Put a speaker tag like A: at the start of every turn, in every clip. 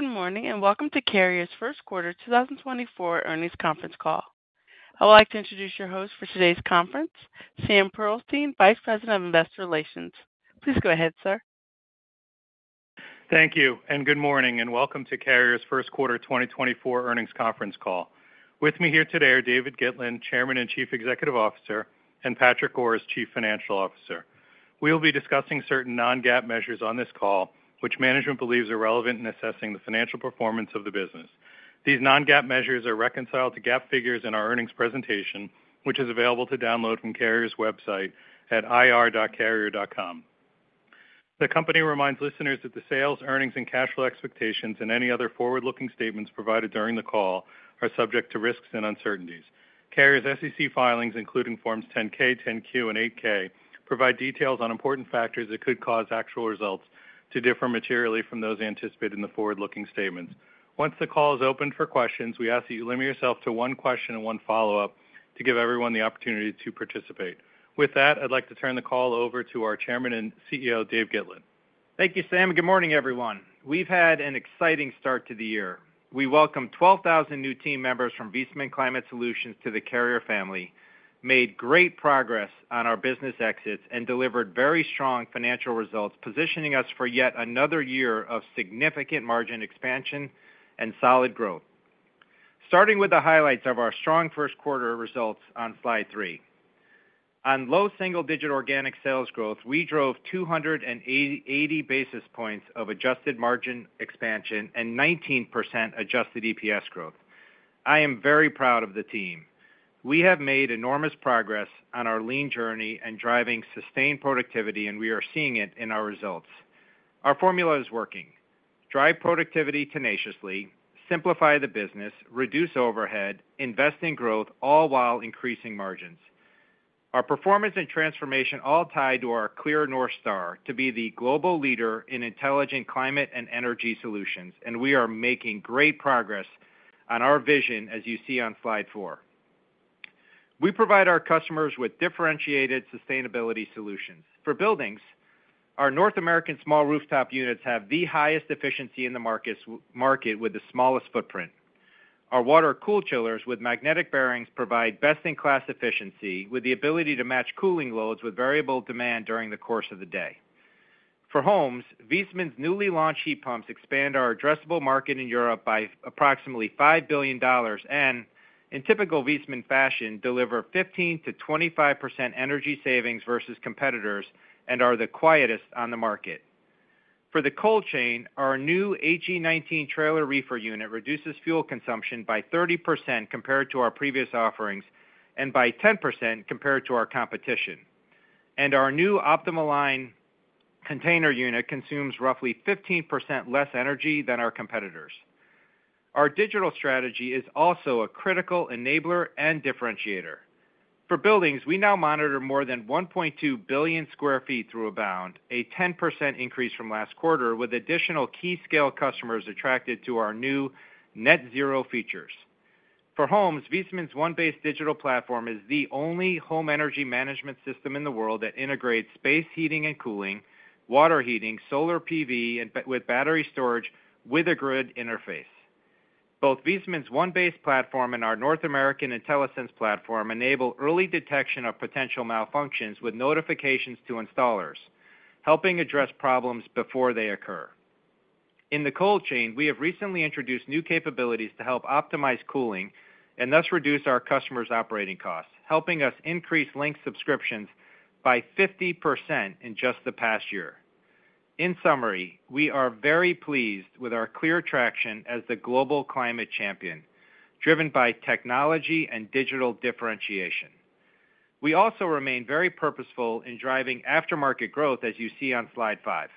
A: Good morning and welcome to Carrier's First Quarter 2024 Earnings Conference Call. I would like to introduce your host for today's conference, Sam Pearlstein, Vice President of Investor Relations. Please go ahead, sir.
B: Thank you, and good morning, and welcome to Carrier's First Quarter 2024 Earnings Conference Call. With me here today are David Gitlin, Chairman and Chief Executive Officer, and Patrick Goris, Chief Financial Officer. We will be discussing certain non-GAAP measures on this call, which management believes are relevant in assessing the financial performance of the business. These non-GAAP measures are reconciled to GAAP figures in our earnings presentation, which is available to download from Carrier's website at ir.carrier.com. The company reminds listeners that the sales, earnings, and cash flow expectations, and any other forward-looking statements provided during the call are subject to risks and uncertainties. Carrier's SEC filings, including Forms 10-K, 10-Q, and 8-K, provide details on important factors that could cause actual results to differ materially from those anticipated in the forward-looking statements. Once the call is open for questions, we ask that you limit yourself to one question and one follow-up to give everyone the opportunity to participate. With that, I'd like to turn the call over to our Chairman and CEO, Dave Gitlin.
C: Thank you, Sam, and good morning, everyone. We've had an exciting start to the year. We welcomed 12,000 new team members from Viessmann Climate Solutions to the Carrier family, made great progress on our business exits, and delivered very strong financial results, positioning us for yet another year of significant margin expansion and solid growth. Starting with the highlights of our strong first quarter results on slide 3. On low single-digit organic sales growth, we drove 280 basis points of adjusted margin expansion and 19% adjusted EPS growth. I am very proud of the team. We have made enormous progress on our lean journey in driving sustained productivity, and we are seeing it in our results. Our formula is working: drive productivity tenaciously, simplify the business, reduce overhead, invest in growth, all while increasing margins. Our performance and transformation are all tied to our clear North Star to be the global leader in intelligent climate and energy solutions, and we are making great progress on our vision, as you see on slide 4. We provide our customers with differentiated sustainability solutions. For buildings, our North American small rooftop units have the highest efficiency in the market with the smallest footprint. Our water-cooled chillers with magnetic bearings provide best-in-class efficiency with the ability to match cooling loads with variable demand during the course of the day. For homes, Viessmann's newly launched heat pumps expand our addressable market in Europe by approximately $5 billion and, in typical Viessmann fashion, deliver 15%-25% energy savings versus competitors and are the quietest on the market. For the cold chain, our new AG19 trailer reefer unit reduces fuel consumption by 30% compared to our previous offerings and by 10% compared to our competition, and our new OptimaLINE container unit consumes roughly 15% less energy than our competitors. Our digital strategy is also a critical enabler and differentiator. For buildings, we now monitor more than 1.2 billion sq ft through Abound, a 10% increase from last quarter, with additional key-scale customers attracted to our new net-zero features. For homes, Viessmann's One Base digital platform is the only home energy management system in the world that integrates space heating and cooling, water heating, solar PV, and battery storage with a grid interface. Both Viessmann's One Base platform and our North American InteliSense platform enable early detection of potential malfunctions with notifications to installers, helping address problems before they occur. In the cold chain, we have recently introduced new capabilities to help optimize cooling and thus reduce our customers' operating costs, helping us increase Lynx subscriptions by 50% in just the past year. In summary, we are very pleased with our clear traction as the global climate champion, driven by technology and digital differentiation. We also remain very purposeful in driving aftermarket growth, as you see on slide 5.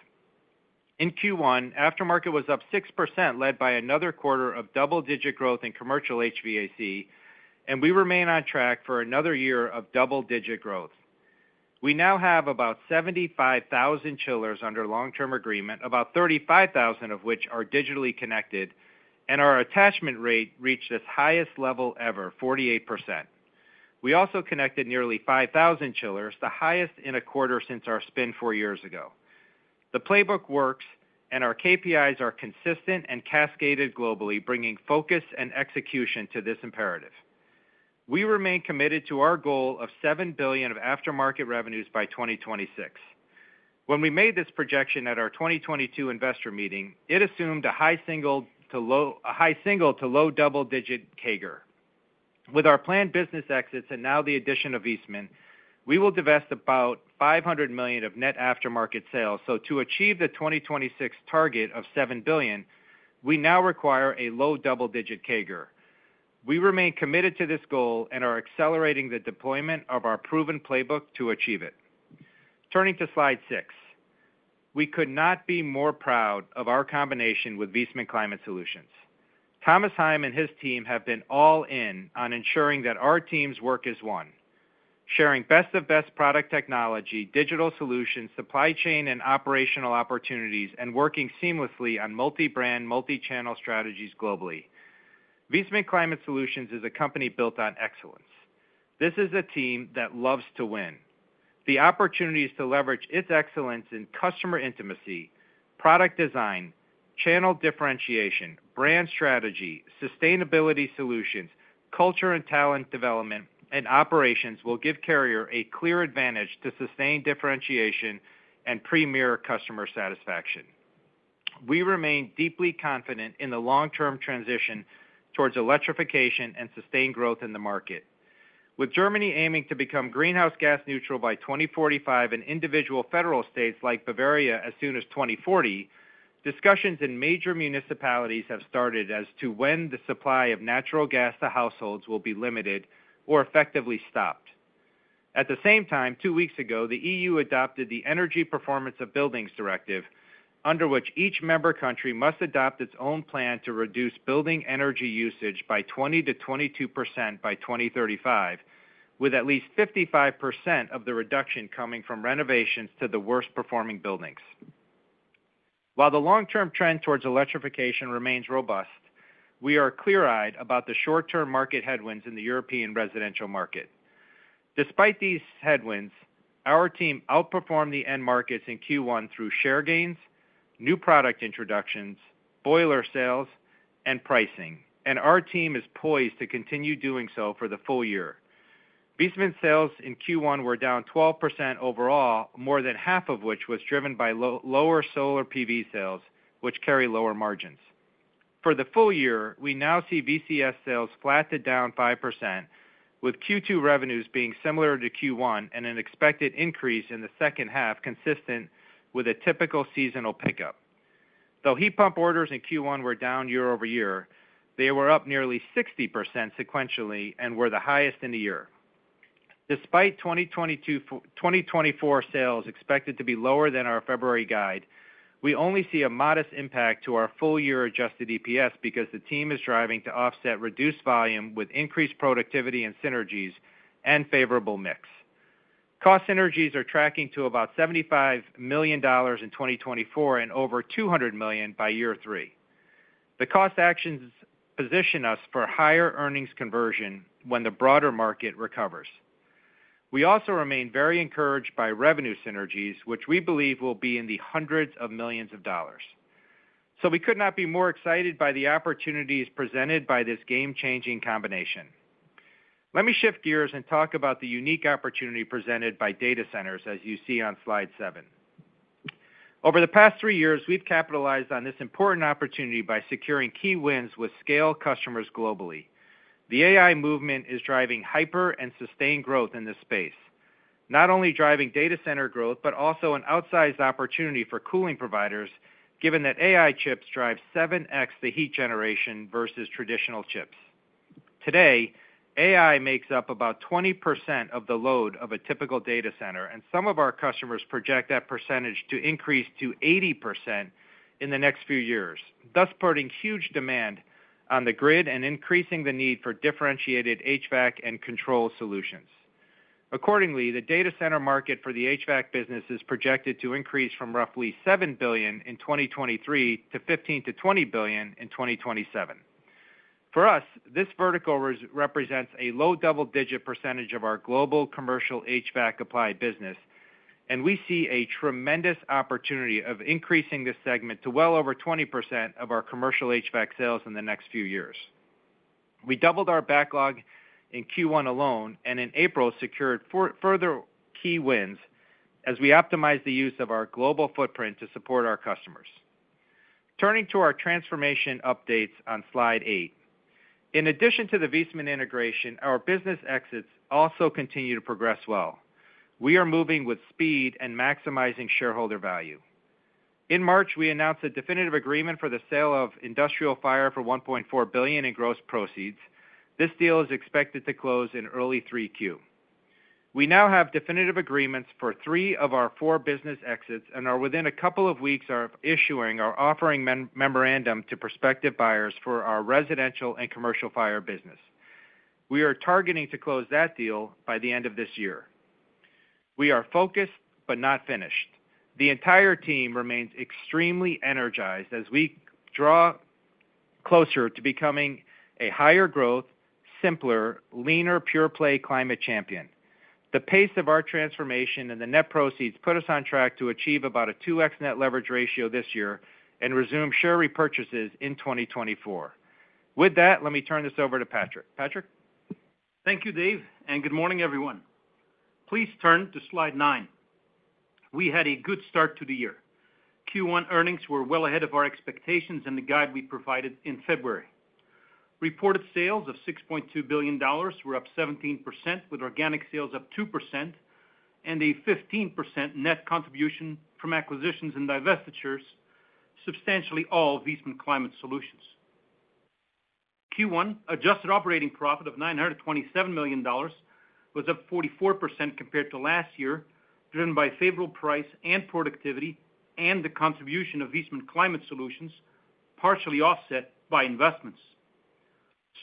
C: In Q1, aftermarket was up 6%, led by another quarter of double-digit growth in commercial HVAC, and we remain on track for another year of double-digit growth. We now have about 75,000 chillers under long-term agreement, about 35,000 of which are digitally connected, and our attachment rate reached its highest level ever, 48%. We also connected nearly 5,000 chillers, the highest in a quarter since our spin 4 years ago. The playbook works, and our KPIs are consistent and cascaded globally, bringing focus and execution to this imperative. We remain committed to our goal of $7 billion of aftermarket revenues by 2026. When we made this projection at our 2022 investor meeting, it assumed a high single- to low double-digit CAGR. With our planned business exits and now the addition of Viessmann, we will divest about $500 million of net aftermarket sales, so to achieve the 2026 target of $7 billion, we now require a low double-digit CAGR. We remain committed to this goal and are accelerating the deployment of our proven playbook to achieve it. Turning to slide 6. We could not be more proud of our combination with Viessmann Climate Solutions. Thomas Heim and his team have been all in on ensuring that our team's work is one: sharing best-of-best product technology, digital solutions, supply chain and operational opportunities, and working seamlessly on multi-brand, multi-channel strategies globally. Viessmann Climate Solutions is a company built on excellence. This is a team that loves to win. The opportunities to leverage its excellence in customer intimacy, product design, channel differentiation, brand strategy, sustainability solutions, culture and talent development, and operations will give Carrier a clear advantage to sustained differentiation and premier customer satisfaction. We remain deeply confident in the long-term transition towards electrification and sustained growth in the market. With Germany aiming to become greenhouse gas neutral by 2045 and individual federal states like Bavaria as soon as 2040, discussions in major municipalities have started as to when the supply of natural gas to households will be limited or effectively stopped. At the same time, two weeks ago, the EU adopted the Energy Performance of Buildings Directive, under which each member country must adopt its own plan to reduce building energy usage by 20%-22% by 2035, with at least 55% of the reduction coming from renovations to the worst performing buildings. While the long-term trend towards electrification remains robust, we are clear-eyed about the short-term market headwinds in the European residential market. Despite these headwinds, our team outperformed the end markets in Q1 through share gains, new product introductions, boiler sales, and pricing, and our team is poised to continue doing so for the full year. Viessmann's sales in Q1 were down 12% overall, more than half of which was driven by lower solar PV sales, which carry lower margins. For the full year, we now see VCS sales flattened down 5%, with Q2 revenues being similar to Q1 and an expected increase in the second half consistent with a typical seasonal pickup. Though heat pump orders in Q1 were down year-over-year, they were up nearly 60% sequentially and were the highest in the year. Despite 2024 sales expected to be lower than our February guide, we only see a modest impact to our full-year adjusted EPS because the team is driving to offset reduced volume with increased productivity and synergies and favorable mix. Cost synergies are tracking to about $75 million in 2024 and over $200 million by year three. The cost actions position us for higher earnings conversion when the broader market recovers. We also remain very encouraged by revenue synergies, which we believe will be $ hundreds of millions. We could not be more excited by the opportunities presented by this game-changing combination. Let me shift gears and talk about the unique opportunity presented by data centers, as you see on slide 7. Over the past three years, we've capitalized on this important opportunity by securing key wins with scale customers globally. The AI movement is driving hyper and sustained growth in this space, not only driving data center growth but also an outsized opportunity for cooling providers, given that AI chips drive 7X the heat generation versus traditional chips. Today, AI makes up about 20% of the load of a typical data center, and some of our customers project that percentage to increase to 80% in the next few years, thus putting huge demand on the grid and increasing the need for differentiated HVAC and control solutions. Accordingly, the data center market for the HVAC business is projected to increase from roughly $7 billion in 2023 to $15-$20 billion in 2027. For us, this vertical represents a low double-digit percentage of our global commercial HVAC applied business, and we see a tremendous opportunity of increasing this segment to well over 20% of our commercial HVAC sales in the next few years. We doubled our backlog in Q1 alone and in April secured further key wins as we optimized the use of our global footprint to support our customers. Turning to our transformation updates on slide eight. In addition to the Viessmann integration, our business exits also continue to progress well. We are moving with speed and maximizing shareholder value. In March, we announced a definitive agreement for the sale of industrial fire for $1.4 billion in gross proceeds. This deal is expected to close in early 3Q. We now have definitive agreements for three of our four business exits and are within a couple of weeks of issuing our offering memorandum to prospective buyers for our residential and commercial fire business. We are targeting to close that deal by the end of this year. We are focused but not finished. The entire team remains extremely energized as we draw closer to becoming a higher growth, simpler, leaner pure-play climate champion. The pace of our transformation and the net proceeds put us on track to achieve about a 2x net leverage ratio this year and resume share repurchases in 2024. With that, let me turn this over to Patrick. Patrick?
D: Thank you, Dave, and good morning, everyone. Please turn to slide nine. We had a good start to the year. Q1 earnings were well ahead of our expectations in the guide we provided in February. Reported sales of $6.2 billion were up 17%, with organic sales up 2% and a 15% net contribution from acquisitions and divestitures, substantially all Viessmann Climate Solutions. Q1 adjusted operating profit of $927 million was up 44% compared to last year, driven by favorable price and productivity and the contribution of Viessmann Climate Solutions, partially offset by investments.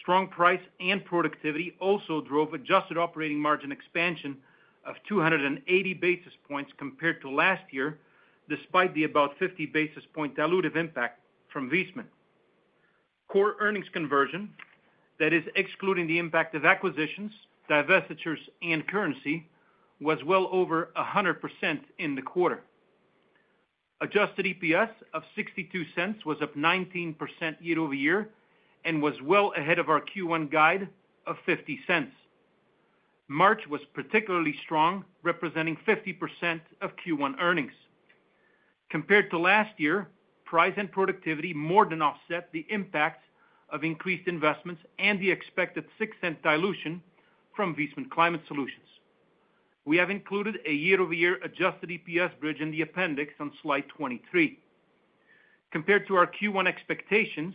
D: Strong price and productivity also drove adjusted operating margin expansion of 280 basis points compared to last year, despite the about 50 basis point dilutive impact from Viessmann. Core earnings conversion, that is, excluding the impact of acquisitions, divestitures, and currency, was well over 100% in the quarter. Adjusted EPS of $0.62 was up 19% year-over-year and was well ahead of our Q1 guide of $0.50. March was particularly strong, representing 50% of Q1 earnings. Compared to last year, price and productivity more than offset the impact of increased investments and the expected $0.06 dilution from Viessmann Climate Solutions. We have included a year-over-year adjusted EPS bridge in the appendix on slide 23. Compared to our Q1 expectations,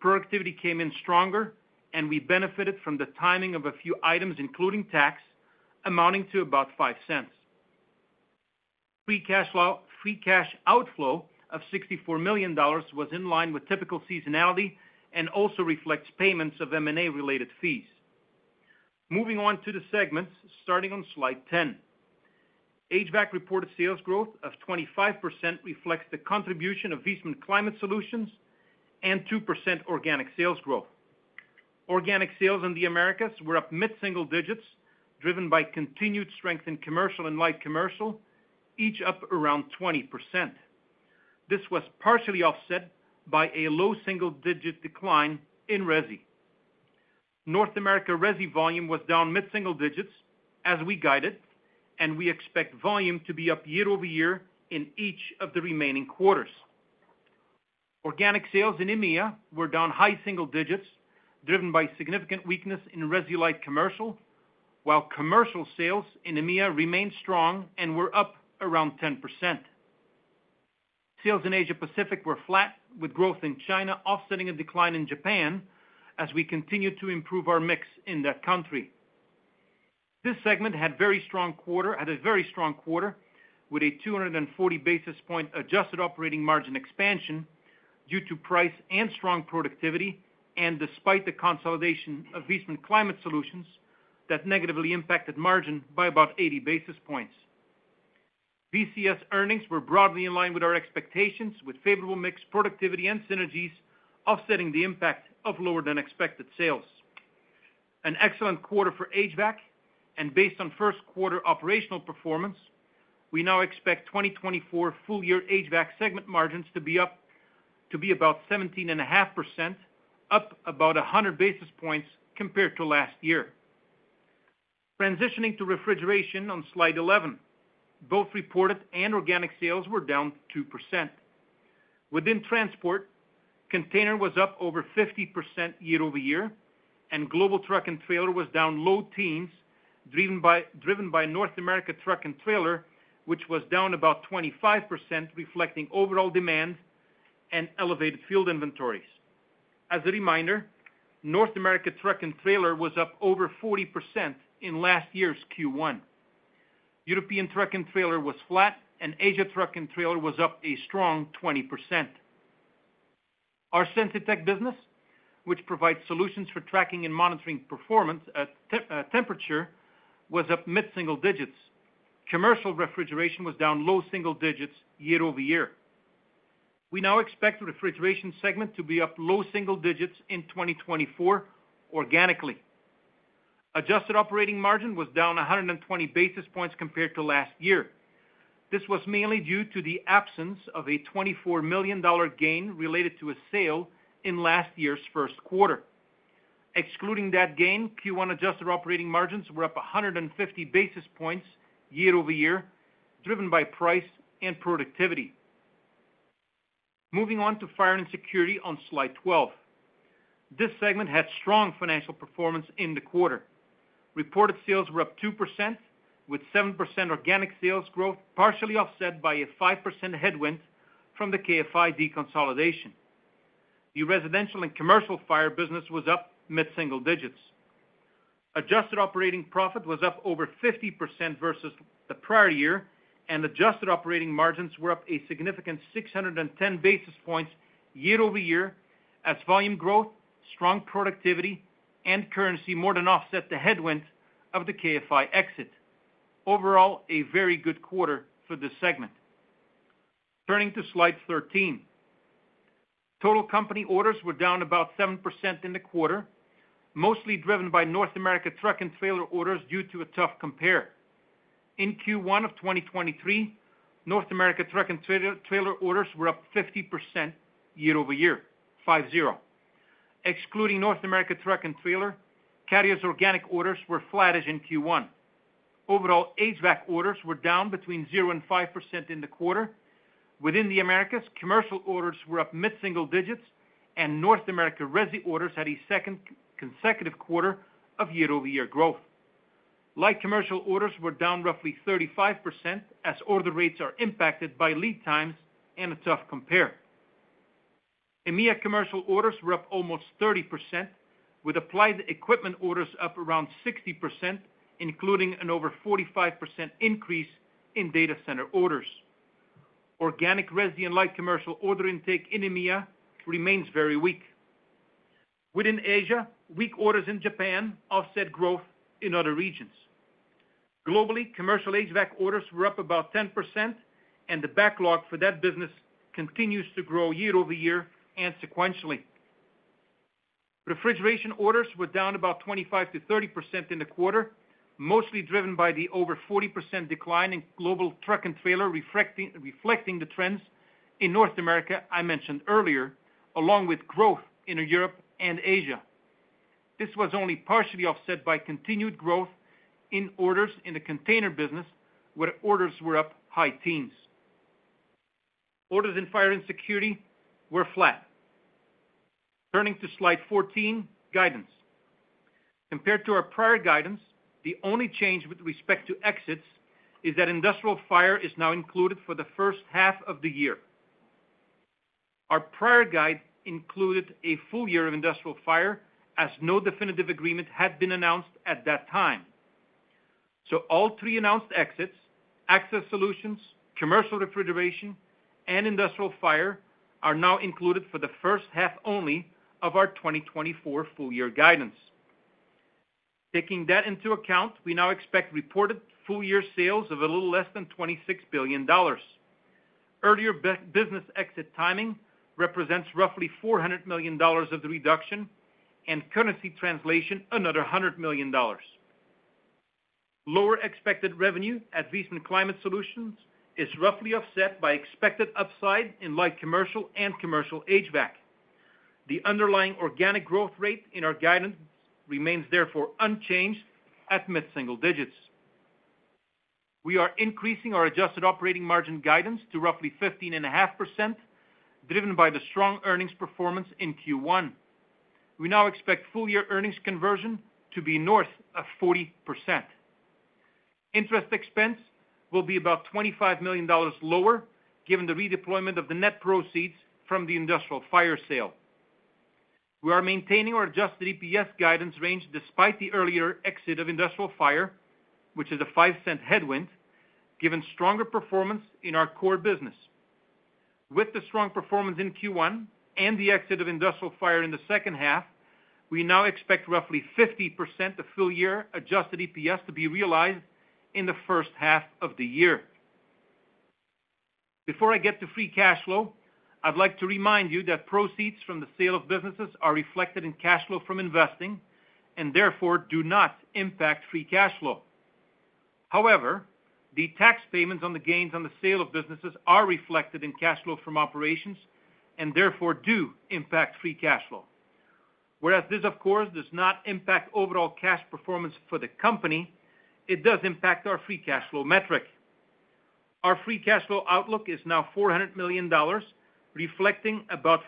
D: productivity came in stronger, and we benefited from the timing of a few items, including tax, amounting to about $0.05. Free cash outflow of $64 million was in line with typical seasonality and also reflects payments of M&A-related fees. Moving on to the segments, starting on slide 10. HVAC reported sales growth of 25% reflects the contribution of Viessmann Climate Solutions and 2% organic sales growth. Organic sales in the Americas were up mid-single digits, driven by continued strength in commercial and light commercial, each up around 20%. This was partially offset by a low single-digit decline in resi. North America resi volume was down mid-single digits as we guided, and we expect volume to be up year-over-year in each of the remaining quarters. Organic sales in EMEA were down high single digits, driven by significant weakness in resi light commercial, while commercial sales in EMEA remained strong and were up around 10%. Sales in Asia Pacific were flat, with growth in China offsetting a decline in Japan as we continue to improve our mix in that country. This segment had a very strong quarter with a 240 basis points adjusted operating margin expansion due to price and strong productivity, and despite the consolidation of Viessmann Climate Solutions, that negatively impacted margin by about 80 basis points. VCS earnings were broadly in line with our expectations, with favorable mix, productivity, and synergies offsetting the impact of lower than expected sales. An excellent quarter for HVAC, and based on first quarter operational performance, we now expect 2024 full-year HVAC segment margins to be up about 17.5%, up about 100 basis points compared to last year. Transitioning to refrigeration on slide 11. Both reported and organic sales were down 2%. Within transport, container was up over 50% year-over-year, and global truck and trailer was down low teens, driven by North America truck and trailer, which was down about 25%, reflecting overall demand and elevated field inventories. As a reminder, North America truck and trailer was up over 40% in last year's Q1. European truck and trailer was flat, and Asia truck and trailer was up a strong 20%. Our Sensitech business, which provides solutions for tracking and monitoring performance at temperature, was up mid-single digits. Commercial refrigeration was down low single digits year-over-year. We now expect the refrigeration segment to be up low single digits in 2024 organically. Adjusted operating margin was down 120 basis points compared to last year. This was mainly due to the absence of a $24 million gain related to a sale in last year's first quarter. Excluding that gain, Q1 adjusted operating margins were up 150 basis points year-over-year, driven by price and productivity. Moving on to fire and security on slide 12. This segment had strong financial performance in the quarter. Reported sales were up 2%, with 7% organic sales growth partially offset by a 5% headwind from the KFI deconsolidation. The residential and commercial fire business was up mid-single digits. Adjusted operating profit was up over 50% versus the prior year, and adjusted operating margins were up a significant 610 basis points year-over-year as volume growth, strong productivity, and currency more than offset the headwind of the KFI exit. Overall, a very good quarter for this segment. Turning to slide 13. Total company orders were down about 7% in the quarter, mostly driven by North America truck and trailer orders due to a tough compare. In Q1 of 2023, North America truck and trailer orders were up 50% year-over-year, 50. Excluding North America truck and trailer, Carrier's organic orders were flat as in Q1. Overall, HVAC orders were down between 0% and 5% in the quarter. Within the Americas, commercial orders were up mid-single digits, and North America resi orders had a second consecutive quarter of year-over-year growth. Light commercial orders were down roughly 35% as order rates are impacted by lead times and a tough compare. EMEA commercial orders were up almost 30%, with applied equipment orders up around 60%, including an over 45% increase in data center orders. Organic resi and light commercial order intake in EMEA remains very weak. Within Asia, weak orders in Japan offset growth in other regions. Globally, commercial HVAC orders were up about 10%, and the backlog for that business continues to grow year-over-year and sequentially. Refrigeration orders were down about 25%-30% in the quarter, mostly driven by the over 40% decline in global truck and trailer, reflecting the trends in North America I mentioned earlier, along with growth in Europe and Asia. This was only partially offset by continued growth in orders in the container business, where orders were up high teens. Orders in fire and security were flat. Turning to slide 14, guidance. Compared to our prior guidance, the only change with respect to exits is that industrial fire is now included for the first half of the year. Our prior guide included a full year of industrial fire as no definitive agreement had been announced at that time. So, all three announced exits: Access Solutions, Commercial Refrigeration, and Industrial Fire are now included for the first half only of our 2024 full year guidance. Taking that into account, we now expect reported full year sales of a little less than $26 billion. Earlier business exit timing represents roughly $400 million of the reduction, and currency translation another $100 million. Lower expected revenue at Viessmann Climate Solutions is roughly offset by expected upside in light commercial and commercial HVAC. The underlying organic growth rate in our guidance remains therefore unchanged at mid-single digits. We are increasing our adjusted operating margin guidance to roughly 15.5%, driven by the strong earnings performance in Q1. We now expect full year earnings conversion to be north of 40%. Interest expense will be about $25 million lower given the redeployment of the net proceeds from the Industrial Fire sale. We are maintaining our adjusted EPS guidance range despite the earlier exit of industrial fire, which is a $0.05 headwind, given stronger performance in our core business. With the strong performance in Q1 and the exit of industrial fire in the second half, we now expect roughly 50% of full year adjusted EPS to be realized in the first half of the year. Before I get to free cash flow, I'd like to remind you that proceeds from the sale of businesses are reflected in cash flow from investing and therefore do not impact free cash flow. However, the tax payments on the gains on the sale of businesses are reflected in cash flow from operations and therefore do impact free cash flow. Whereas this, of course, does not impact overall cash performance for the company, it does impact our free cash flow metric. Our free cash flow outlook is now $400 million, reflecting about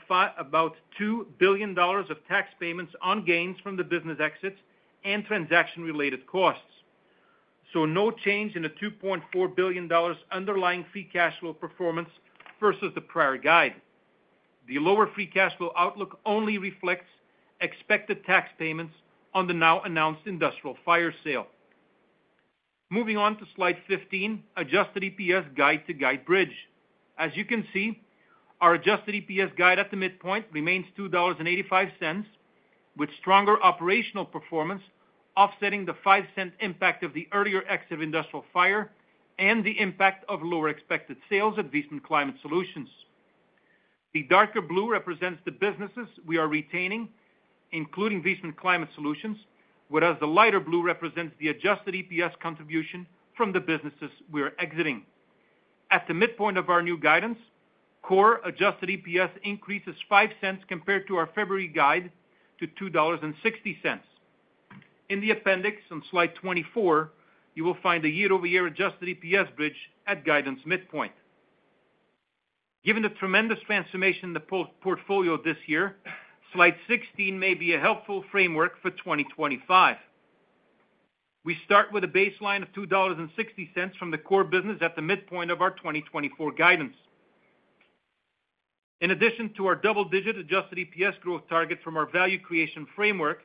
D: $2 billion of tax payments on gains from the business exits and transaction-related costs. So, no change in the $2.4 billion underlying free cash flow performance versus the prior guide. The lower free cash flow outlook only reflects expected tax payments on the now announced industrial fire sale. Moving on to slide 15, adjusted EPS guide to guide bridge. As you can see, our adjusted EPS guide at the midpoint remains $2.85, with stronger operational performance offsetting the $0.05 impact of the earlier exit of industrial fire and the impact of lower expected sales at Viessmann Climate Solutions. The darker blue represents the businesses we are retaining, including Viessmann Climate Solutions, whereas the lighter blue represents the adjusted EPS contribution from the businesses we are exiting. At the midpoint of our new guidance, core adjusted EPS increases $0.05 compared to our February guide to $2.60. In the appendix on slide 24, you will find a year-over-year adjusted EPS bridge at guidance midpoint. Given the tremendous transformation in the portfolio this year, slide 16 may be a helpful framework for 2025. We start with a baseline of $2.60 from the core business at the midpoint of our 2024 guidance. In addition to our double-digit adjusted EPS growth target from our value creation framework,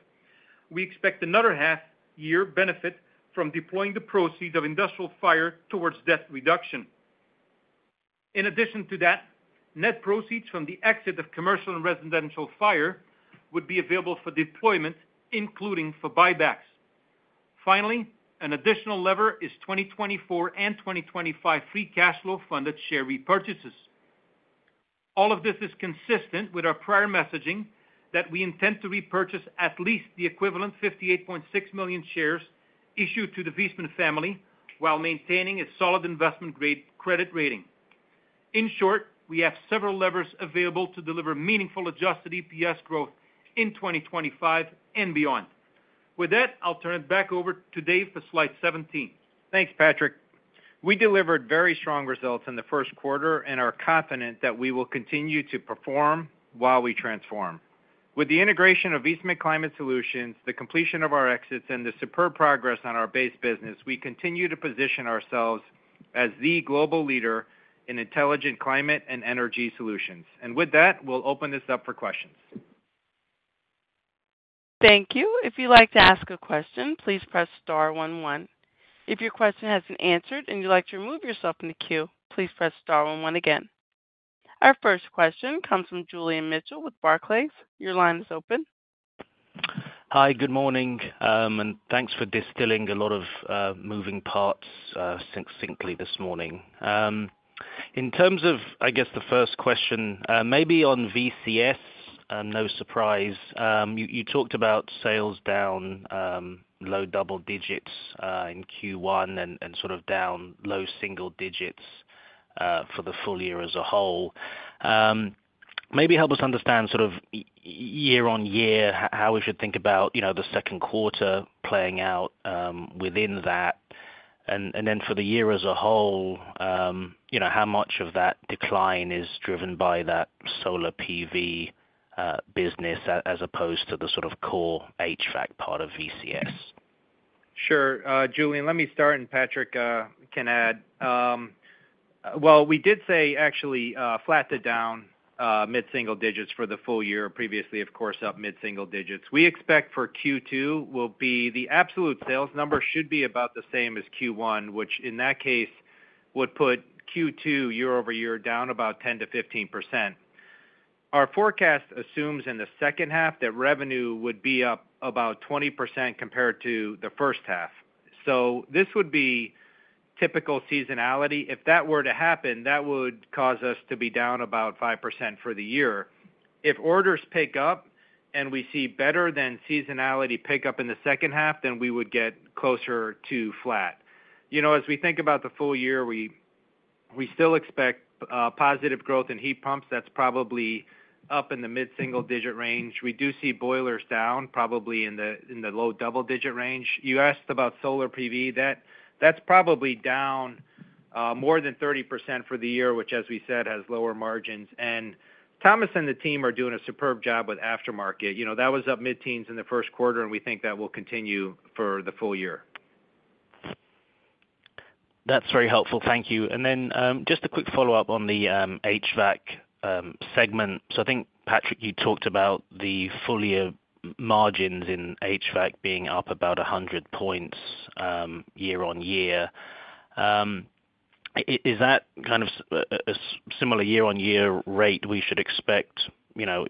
D: we expect another half year benefit from deploying the proceeds of industrial fire towards debt reduction. In addition to that, net proceeds from the exit of commercial and residential fire would be available for deployment, including for buybacks. Finally, an additional lever is 2024 and 2025 free cash flow funded share repurchases. All of this is consistent with our prior messaging that we intend to repurchase at least the equivalent 58.6 million shares issued to the Viessmann family while maintaining a solid investment-grade credit rating. In short, we have several levers available to deliver meaningful adjusted EPS growth in 2025 and beyond. With that, I'll turn it back over to Dave for slide 17.
C: Thanks, Patrick. We delivered very strong results in the first quarter and are confident that we will continue to perform while we transform. With the integration of Viessmann Climate Solutions, the completion of our exits, and the superb progress on our base business, we continue to position ourselves as the global leader in intelligent climate and energy solutions. And with that, we'll open this up for questions.
A: Thank you. If you'd like to ask a question, please press star one one. If your question has been answered and you'd like to remove yourself from the queue, please press star one one again. Our first question comes from Julian Mitchell with Barclays. Your line is open.
E: Hi, good morning. Thanks for distilling a lot of moving parts succinctly this morning. In terms of, I guess, the first question, maybe on VCS, no surprise, you talked about sales down low double digits in Q1 and sort of down low single digits for the full year as a whole. Maybe help us understand sort of year-on-year how we should think about the second quarter playing out within that. And then for the year as a whole, how much of that decline is driven by that solar PV business as opposed to the sort of core HVAC part of VCS?
C: Sure, Julian. Let me start and Patrick can add. Well, we did say actually flattened it down mid-single digits for the full year. Previously, of course, up mid-single digits. We expect for Q2 the absolute sales number should be about the same as Q1, which in that case would put Q2 year-over-year down about 10%-15%. Our forecast assumes in the second half that revenue would be up about 20% compared to the first half. So, this would be typical seasonality. If that were to happen, that would cause us to be down about 5% for the year. If orders pick up and we see better than seasonality pick up in the second half, then we would get closer to flat. As we think about the full year, we still expect positive growth in heat pumps. That's probably up in the mid-single-digit range. We do see boilers down probably in the low double-digit range. You asked about solar PV. That's probably down more than 30% for the year, which, as we said, has lower margins. And Thomas and the team are doing a superb job with aftermarket. That was up mid-teens in the first quarter, and we think that will continue for the full year.
E: That's very helpful. Thank you. And then just a quick follow-up on the HVAC segment. So, I think, Patrick, you talked about the full year margins in HVAC being up about 100 points year-on-year. Is that kind of a similar year-on-year rate we should expect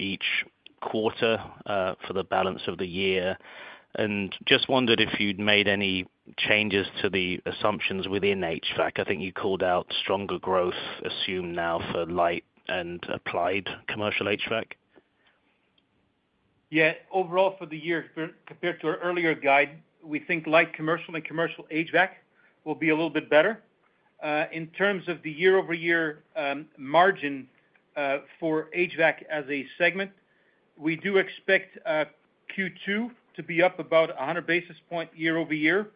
E: each quarter for the balance of the year? And just wondered if you'd made any changes to the assumptions within HVAC. I think you called out stronger growth assumed now for light and applied commercial HVAC.
D: Yeah. Overall, for the year compared to our earlier guide, we think light commercial and commercial HVAC will be a little bit better. In terms of the year-over-year margin for HVAC as a segment, we do expect Q2 to be up about 100 basis points year-over-year.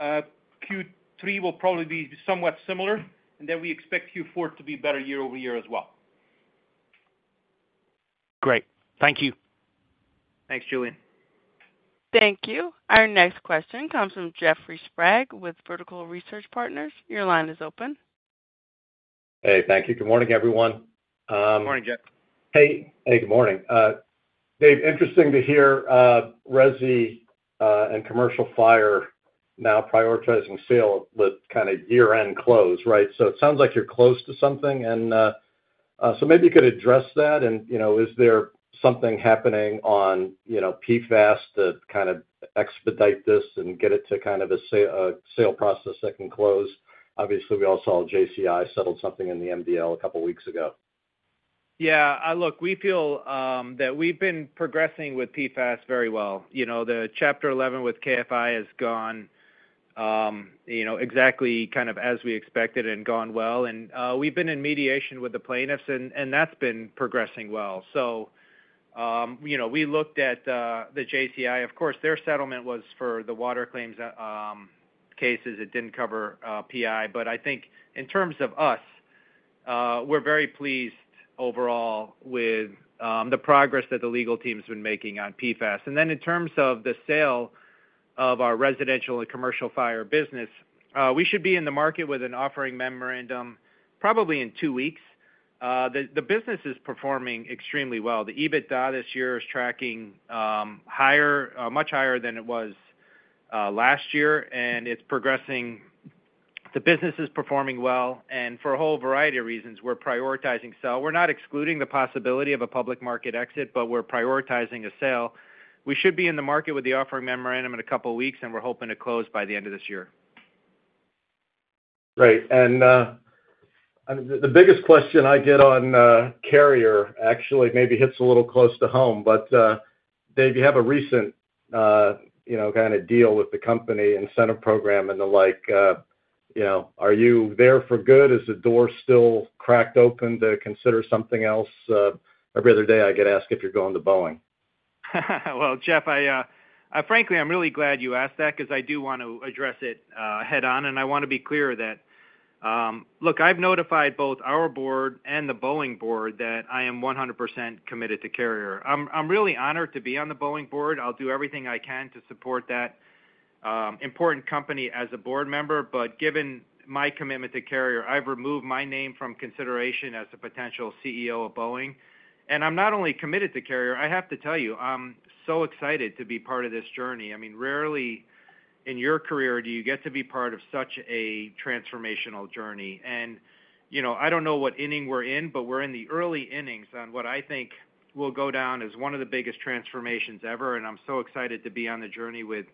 D: Q3 will probably be somewhat similar, and then we expect Q4 to be better year-over-year as well.
E: Great. Thank you.
D: Thanks, Julian.
A: Thank you. Our next question comes from Jeffrey Sprague with Vertical Research Partners. Your line is open.
F: Hey, thank you. Good morning, everyone. Good morning, Jeff. Hey, good morning. Dave, interesting to hear resi and commercial fire now prioritizing sale with kind of year-end close, right? So, it sounds like you're close to something. And so, maybe you could address that.
C: Is there something happening on PFAS to kind of expedite this and get it to kind of a sale process that can close? Obviously, we all saw JCI settle something in the MDL a couple of weeks ago. Yeah. Look, we feel that we've been progressing with PFAS very well. The Chapter 11 with KFI has gone exactly kind of as we expected and gone well. We've been in mediation with the plaintiffs, and that's been progressing well. We looked at the JCI. Of course, their settlement was for the water claims cases. It didn't cover PI. I think in terms of us, we're very pleased overall with the progress that the legal team's been making on PFAS. Then in terms of the sale of our residential and commercial fire business, we should be in the market with an offering memorandum probably in 2 weeks. The business is performing extremely well. The EBITDA this year is tracking much higher than it was last year, and it's progressing. The business is performing well. And for a whole variety of reasons, we're prioritizing sale. We're not excluding the possibility of a public market exit, but we're prioritizing a sale. We should be in the market with the offering memorandum in a couple of weeks, and we're hoping to close by the end of this year.
F: Great. And the biggest question I get on Carrier actually maybe hits a little close to home. But, Dave, you have a recent kind of deal with the company, incentive program, and the like. Are you there for good? Is the door still cracked open to consider something else? Every other day, I get asked if you're going to Boeing.
C: Well, Jeff, frankly, I'm really glad you asked that because I do want to address it head-on. I want to be clear that, look, I've notified both our board and the Boeing board that I am 100% committed to Carrier. I'm really honored to be on the Boeing board. I'll do everything I can to support that important company as a board member. But given my commitment to Carrier, I've removed my name from consideration as a potential CEO of Boeing. I'm not only committed to Carrier, I have to tell you, I'm so excited to be part of this journey. I mean, rarely in your career do you get to be part of such a transformational journey. I don't know what inning we're in, but we're in the early innings on what I think will go down as one of the biggest transformations ever. I'm so excited to be on the journey with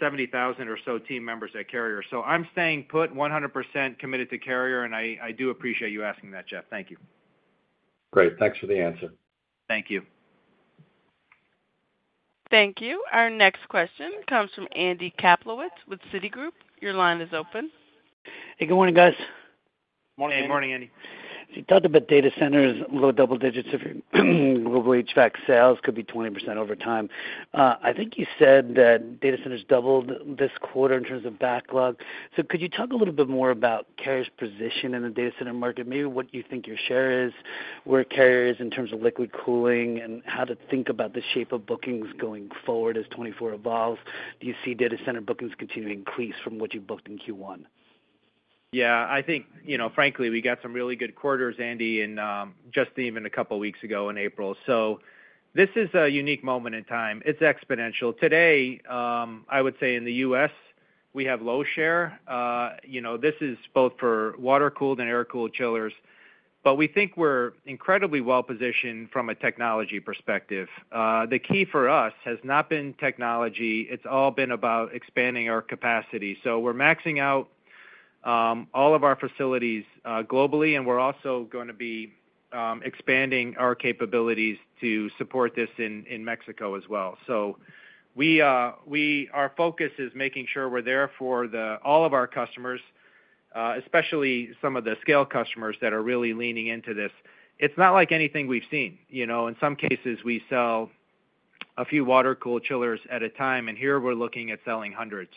C: 70,000 or so team members at Carrier. So, I'm staying put, 100% committed to Carrier. And I do appreciate you asking that, J eff. Thank you.
F: Great. Thanks for the answer.
C: Thank you.
A: Thank you. Our next question comes from Andy Kaplowitz with Citigroup. Your line is open. Hey, good morning, guys.
C: Morning.
D: Hey, morning, Andy.
G: So you talked about data centers, low double digits if your global HVAC sales could be 20% over time. I think you said that data centers doubled this quarter in terms of backlog. So, could you talk a little bit more about Carrier's position in the data center market, maybe what you think your share is, where Carrier is in terms of liquid cooling, and how to think about the shape of bookings going forward as 2024 evolves? Do you see data center bookings continue to increase from what you booked in Q1?
C: Yeah. I think, frankly, we got some really good quarters, Andy, just even a couple of weeks ago in April. So, this is a unique moment in time. It's exponential. Today, I would say in the U.S., we have low share. This is both for water-cooled and air-cooled chillers. But we think we're incredibly well-positioned from a technology perspective. The key for us has not been technology. It's all been about expanding our capacity. So, we're maxing out all of our facilities globally, and we're also going to be expanding our capabilities to support this in Mexico as well. So, our focus is making sure we're there for all of our customers, especially some of the scale customers that are really leaning into this. It's not like anything we've seen. In some cases, we sell a few water-cooled chillers at a time, and here we're looking at selling hundreds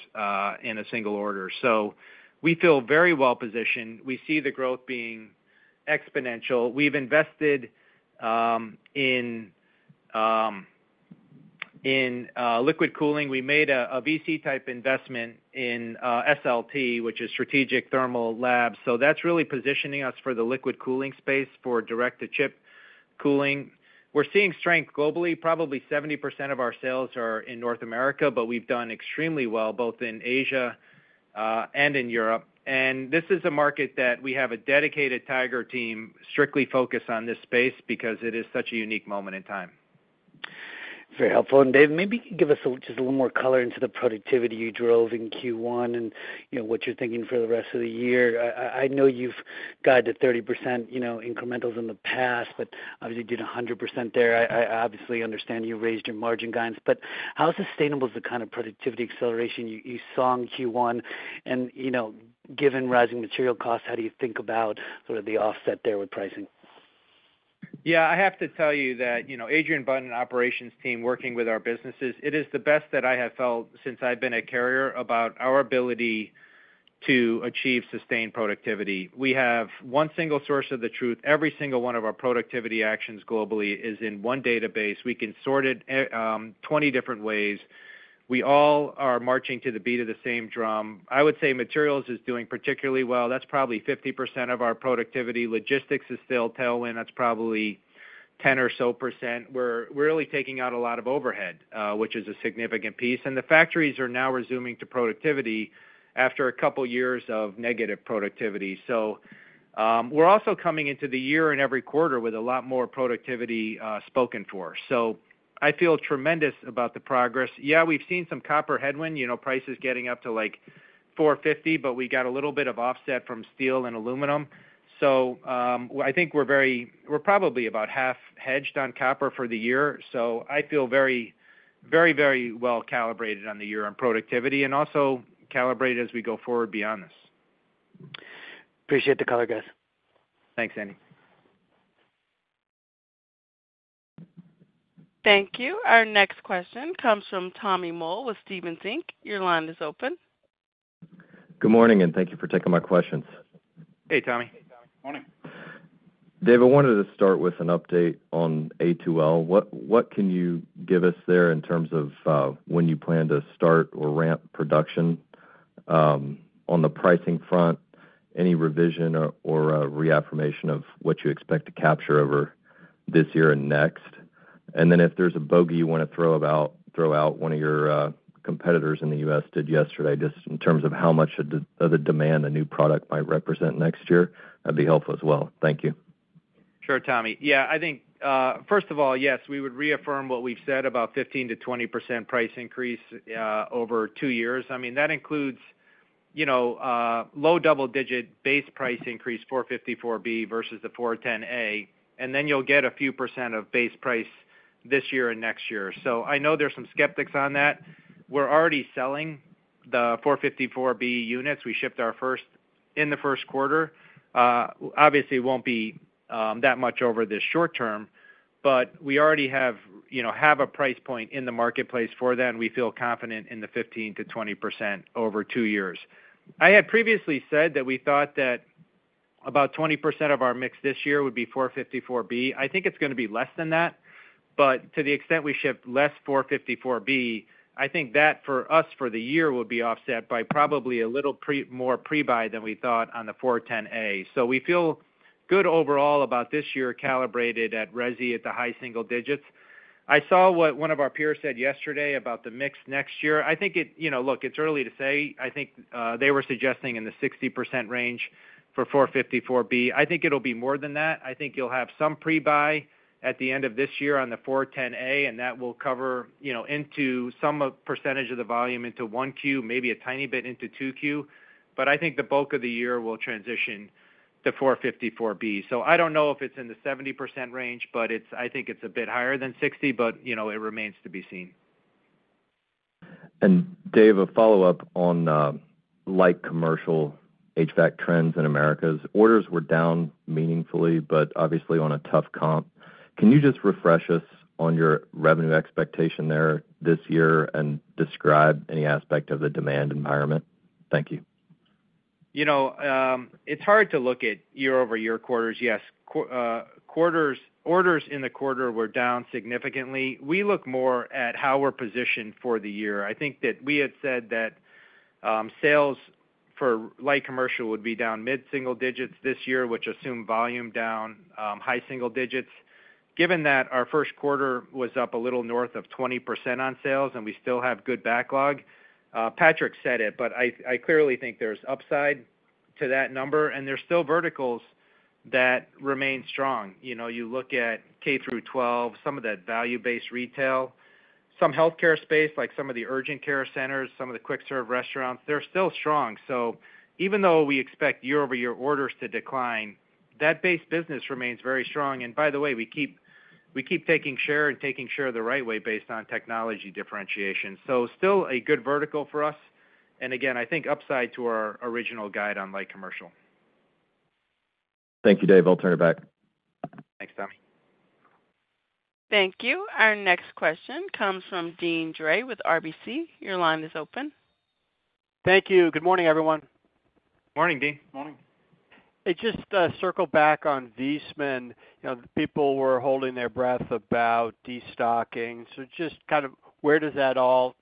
C: in a single order. So, we feel very well-positioned. We see the growth being exponential. We've invested in liquid cooling. We made a VC-type investment in SLT, which is Strategic Thermal Labs. So, that's really positioning us for the liquid cooling space, for direct-to-chip cooling. We're seeing strength globally. Probably 70% of our sales are in North America, but we've done extremely well both in Asia and in Europe. And this is a market that we have a dedicated Tiger team strictly focused on this space because it is such a unique moment in time.
G: Very helpful. And, Dave, maybe give us just a little more color into the productivity you drove in Q1 and what you're thinking for the rest of the year. I know you've gotten to 30% incrementals in the past, but obviously, you did 100% there. I obviously understand you raised your margin guidance. But how sustainable is the kind of productivity acceleration you saw in Q1? And given rising material costs, how do you think about sort of the offset there with pricing?
C: Yeah. I have to tell you that Adrian Button operations team working with our businesses, it is the best that I have felt since I've been a Carrier about our ability to achieve sustained productivity. We have one single source of the truth. Every single one of our productivity actions globally is in one database. We can sort it 20 different ways. We all are marching to the beat of the same drum. I would say materials is doing particularly well. That's probably 50% of our productivity. Logistics is still tailwind. That's probably 10% or so. We're really taking out a lot of overhead, which is a significant piece. And the factories are now resuming to productivity after a couple of years of negative productivity. So, we're also coming into the year and every quarter with a lot more productivity spoken for. So, I feel tremendous about the progress. Yeah, we've seen some copper headwind, prices getting up to like $450, but we got a little bit of offset from steel and aluminum. So, I think we're probably about half hedged on copper for the year. So, I feel very, very, very well-calibrated on the year on productivity and also calibrated as we go forward beyond this.
G: Appreciate the color, guys.
A: Thanks, Andy. Thank you. Our next question comes from Tommy Moll with Stephens. Your line is open.
H: Good morning, and thank you for taking my questions.
C: Hey, Tommy.
D: Good morning.
H: Dave, I wanted to start with an update on A2L. What can you give us there in terms of when you plan to start or ramp production on the pricing front, any revision or reaffirmation of what you expect to capture over this year and next? And then if there's a bogey you want to throw out, one of your competitors in the U.S. did yesterday just in terms of how much of the demand a new product might represent next year, that'd be helpful as well. Thank you.
C: Sure, Tommy. Yeah. I think, first of all, yes, we would reaffirm what we've said about 15%-20% price increase over two years. I mean, that includes low double-digit base price increase, 454B versus the 410A, and then you'll get a few percent of base price this year and next year. So, I know there's some skeptics on that. We're already selling the 454B units. We shipped our first in the first quarter. Obviously, it won't be that much over the short term, but we already have a price point in the marketplace for that, and we feel confident in the 15%-20% over two years. I had previously said that we thought that about 20% of our mix this year would be 454B. I think it's going to be less than that. But to the extent we ship less 454B, I think that for us for the year will be offset by probably a little more pre-buy than we thought on the 410A. So, we feel good overall about this year calibrated at resi at the high single digits. I saw what one of our peers said yesterday about the mix next year. I think it looks, it's early to say. I think they were suggesting in the 60% range for 454B. I think it'll be more than that. I think you'll have some pre-buy at the end of this year on the 410A, and that will cover into some percentage of the volume into 1Q, maybe a tiny bit into 2Q. But I think the bulk of the year will transition to 454B. So, I don't know if it's in the 70% range, but I think it's a bit higher than 60%, but it remains to be seen.
H: Dave, a follow-up on light commercial HVAC trends in America. Orders were down meaningfully, but obviously on a tough comp. Can you just refresh us on your revenue expectation there this year and describe any aspect of the demand environment? Thank you.
C: It's hard to look at year-over-year quarters, yes. Orders in the quarter were down significantly. We look more at how we're positioned for the year. I think that we had said that sales for light commercial would be down mid-single digits this year, which assumed volume down, high single digits. Given that our first quarter was up a little north of 20% on sales, and we still have good backlog, Patrick said it, but I clearly think there's upside to that number. And there's still verticals that remain strong. You look at K-12, some of that value-based retail, some healthcare space like some of the urgent care centers, some of the quick-serve restaurants, they're still strong. So, even though we expect year-over-year orders to decline, that base business remains very strong. And by the way, we keep taking share and taking share the right way based on technology differentiation. So, still a good vertical for us. And again, I think upside to our original guide on light commercial.
H: Thank you, Dave. I'll turn it back.
C: Thanks, Tommy.
A: Thank you. Our next question comes from Deane Dray with RBC. Your line is open. Thank you.
I: Good morning, everyone.
C: Morning, Deane.
D: Good morning.
I: Just to circle back on Viessmann, people were holding their breath about destocking. So, just kind of where did that all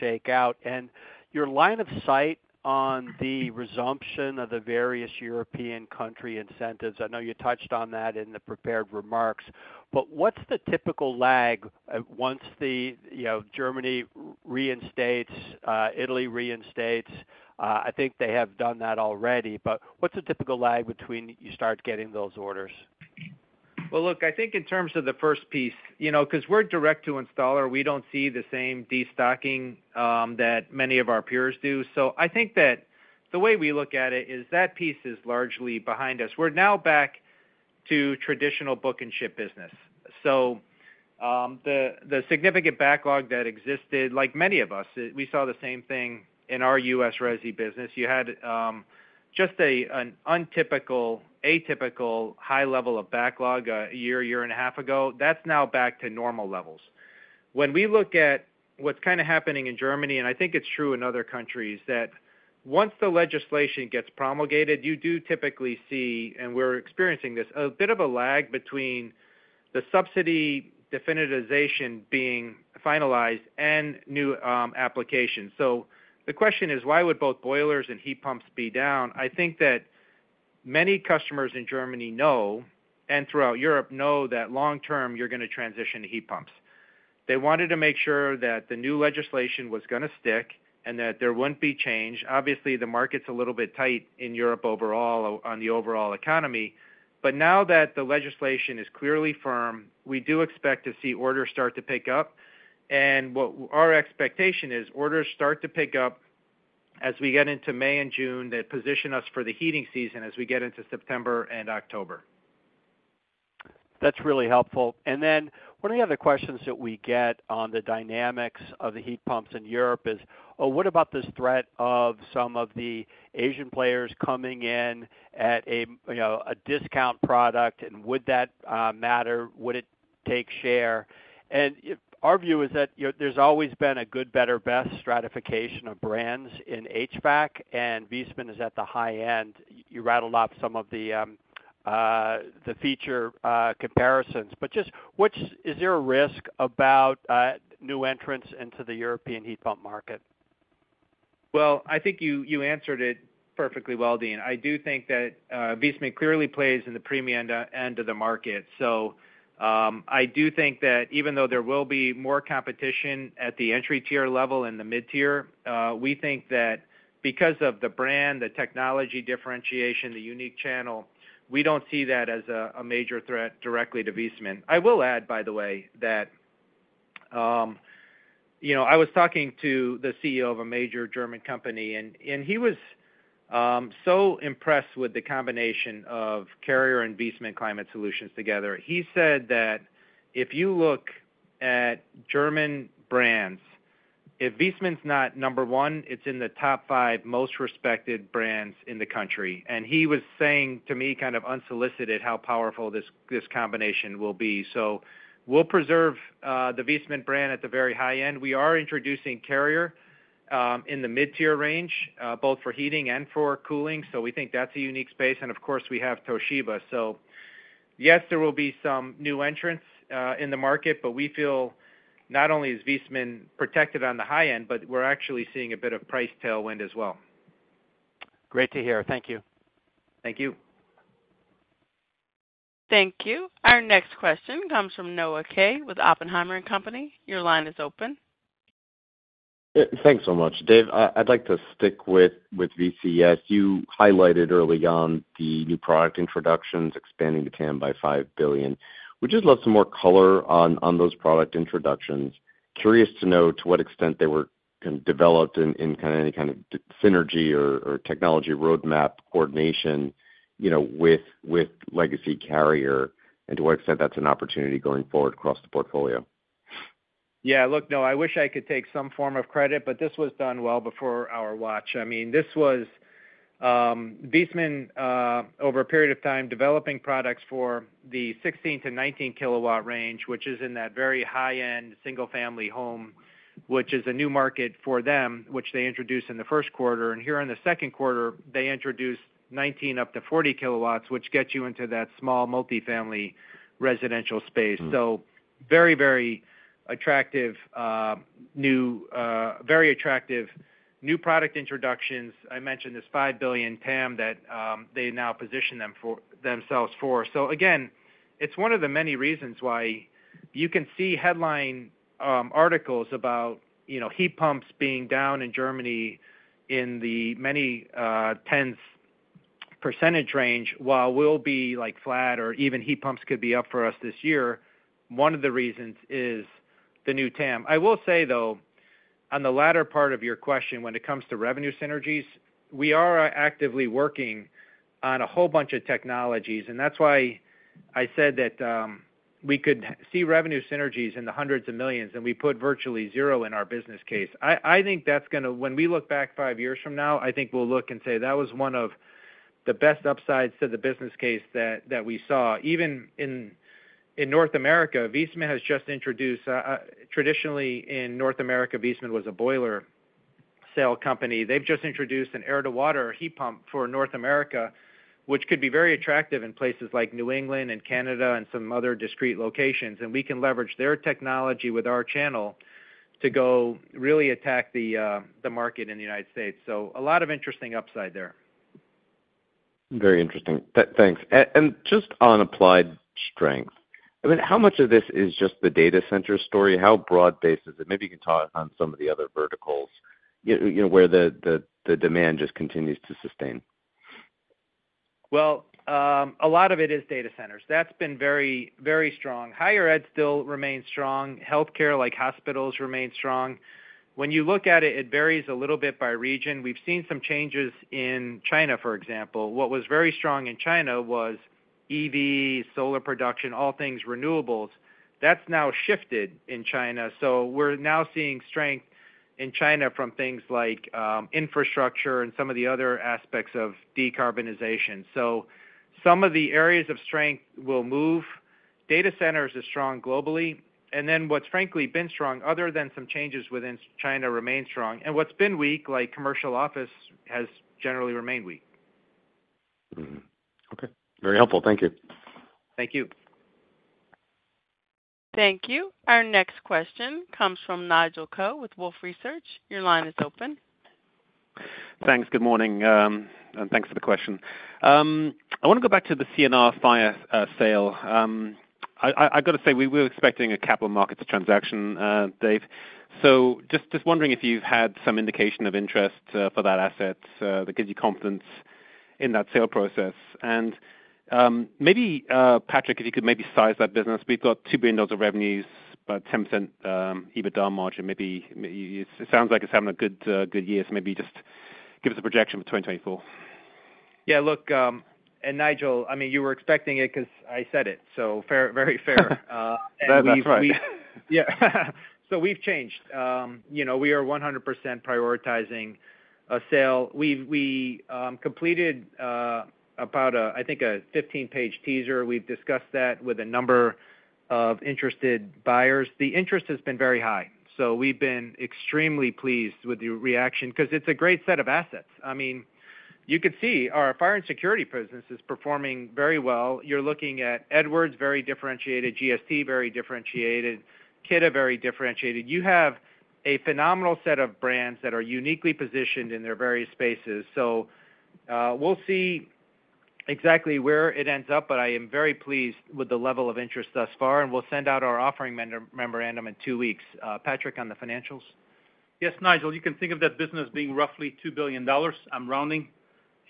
I: shake out? And your line of sight on the resumption of the various European country incentives, I know you touched on that in the prepared remarks, but what's the typical lag once Germany reinstates, Italy reinstates? I think they have done that already, but what's the typical lag between you start getting those orders?
C: Well, look, I think in terms of the first piece because we're direct-to-installer, we don't see the same destocking that many of our peers do. So, I think that the way we look at it is that piece is largely behind us. We're now back to traditional book-and-ship business. So, the significant backlog that existed, like many of us, we saw the same thing in our US resi business. You had just an atypical high level of backlog a year, year and a half ago. That's now back to normal levels. When we look at what's kind of happening in Germany, and I think it's true in other countries, that once the legislation gets promulgated, you do typically see, and we're experiencing this, a bit of a lag between the subsidy definitization being finalized and new applications. So, the question is, why would both boilers and heat pumps be down? I think that many customers in Germany know and throughout Europe know that long-term, you're going to transition to heat pumps. They wanted to make sure that the new legislation was going to stick and that there wouldn't be change. Obviously, the market's a little bit tight in Europe overall on the overall economy. But now that the legislation is clearly firm, we do expect to see orders start to pick up. And what our expectation is, orders start to pick up as we get into May and June, that position us for the heating season as we get into September and October. That's really helpful. And then one of the other questions that we get on the dynamics of the heat pumps in Europe is, what about this threat of some of the Asian players coming in at a discount product? And would that matter? Would it take share? Our view is that there's always been a good, better, best stratification of brands in HVAC, and Viessmann is at the high end. You rattled off some of the feature comparisons. But just is there a risk about new entrants into the European heat pump market? Well, I think you answered it perfectly well, Dean. I do think that Viessmann clearly plays in the premium end of the market. So, I do think that even though there will be more competition at the entry-tier level and the mid-tier, we think that because of the brand, the technology differentiation, the unique channel, we don't see that as a major threat directly to Viessmann. I will add, by the way, that I was talking to the CEO of a major German company, and he was so impressed with the combination of Carrier and Viessmann Climate Solutions together. He said that if you look at German brands, if Viessmann's not number one, it's in the top five most respected brands in the country. And he was saying to me, kind of unsolicited, how powerful this combination will be. So, we'll preserve the Viessmann brand at the very high end. We are introducing Carrier in the mid-tier range, both for heating and for cooling. So, we think that's a unique space. And of course, we have Toshiba. So, yes, there will be some new entrants in the market, but we feel not only is Viessmann protected on the high end, but we're actually seeing a bit of price tailwind as well.
I: Great to hear. Thank you.
C: Thank you.
A: Thank you. Our next question comes from Noah Kaye with Oppenheimer & Company. Your line is open. Thanks so much. Dave, I'd like to stick with VCS.
J: You highlighted early on the new product introductions, expanding the TAM by $5 billion. We'd just love some more color on those product introductions. Curious to know to what extent they were developed in kind of any kind of synergy or technology roadmap coordination with legacy Carrier and to what extent that's an opportunity going forward across the portfolio.
C: Yeah. Look, no, I wish I could take some form of credit, but this was done well before our watch. I mean, this was Viessmann over a period of time developing products for the 16-19 kW range, which is in that very high-end single-family home, which is a new market for them, which they introduced in the first quarter. And here in the second quarter, they introduced 19-40 kW, which gets you into that small multifamily residential space. So, very, very attractive new product introductions. I mentioned this $5 billion TAM that they now position themselves for. So again, it's one of the many reasons why you can see headline articles about heat pumps being down in Germany in the many tens % range while we'll be flat or even heat pumps could be up for us this year. One of the reasons is the new TAM. I will say, though, on the latter part of your question, when it comes to revenue synergies, we are actively working on a whole bunch of technologies, and that's why I said that we could see revenue synergies in the hundreds of millions, and we put virtually zero in our business case. I think that's going to when we look back five years from now, I think we'll look and say, "That was one of the best upsides to the business case that we saw." Even in North America, Viessmann has just introduced. Traditionally, in North America, Viessmann was a boiler sale company. They've just introduced an air-to-water heat pump for North America, which could be very attractive in places like New England and Canada and some other discrete locations. And we can leverage their technology with our channel to go really attack the market in the United States. So, a lot of interesting upside there. Very interesting.
J: Thanks. And just on applied strength, I mean, how much of this is just the data center story? How broad-based is it? Maybe you can talk on some of the other verticals where the demand just continues to sustain.
C: Well, a lot of it is data centers. That's been very strong. Higher ed still remains strong. Healthcare, like hospitals, remains strong. When you look at it, it varies a little bit by region. We've seen some changes in China, for example. What was very strong in China was EV, solar production, all things renewables. That's now shifted in China. So, we're now seeing strength in China from things like infrastructure and some of the other aspects of decarbonization. So, some of the areas of strength will move. Data centers are strong globally. And then what's frankly been strong, other than some changes within China, remains strong. And what's been weak, like commercial office, has generally remained weak.
J: Okay. Very helpful. Thank you. Thank you.
C: Thank you.
A: Our next question comes from Nigel Coe with Wolfe Research. Your line is open. Thanks. Good morning. And thanks for the question.
K: I want to go back to the C&R fire sale. I got to say, we were expecting a capital markets transaction, Dave. So, just wondering if you've had some indication of interest for that asset that gives you confidence in that sale process. And maybe, Patrick, if you could maybe size that business. We've got $2 billion of revenues, about 10% EBITDA margin. It sounds like it's having a good year. So maybe you just give us a projection for 2024.
C: Yeah. Look, and Nigel, I mean, you were expecting it because I said it. So, very fair. That's right. Yeah. So, we've changed. We are 100% prioritizing a sale. We completed about, I think, a 15-page teaser. We've discussed that with a number of interested buyers. The interest has been very high. So, we've been extremely pleased with the reaction because it's a great set of assets. I mean, you can see our fire and security business is performing very well. You're looking at Edwards, very differentiated. GST, very differentiated. Kidde, very differentiated. You have a phenomenal set of brands that are uniquely positioned in their various spaces. So, we'll see exactly where it ends up, but I am very pleased with the level of interest thus far. We'll send out our offering memorandum in two weeks. Patrick, on the financials? Yes, Nigel, you can think of that business being roughly $2 billion. I'm rounding.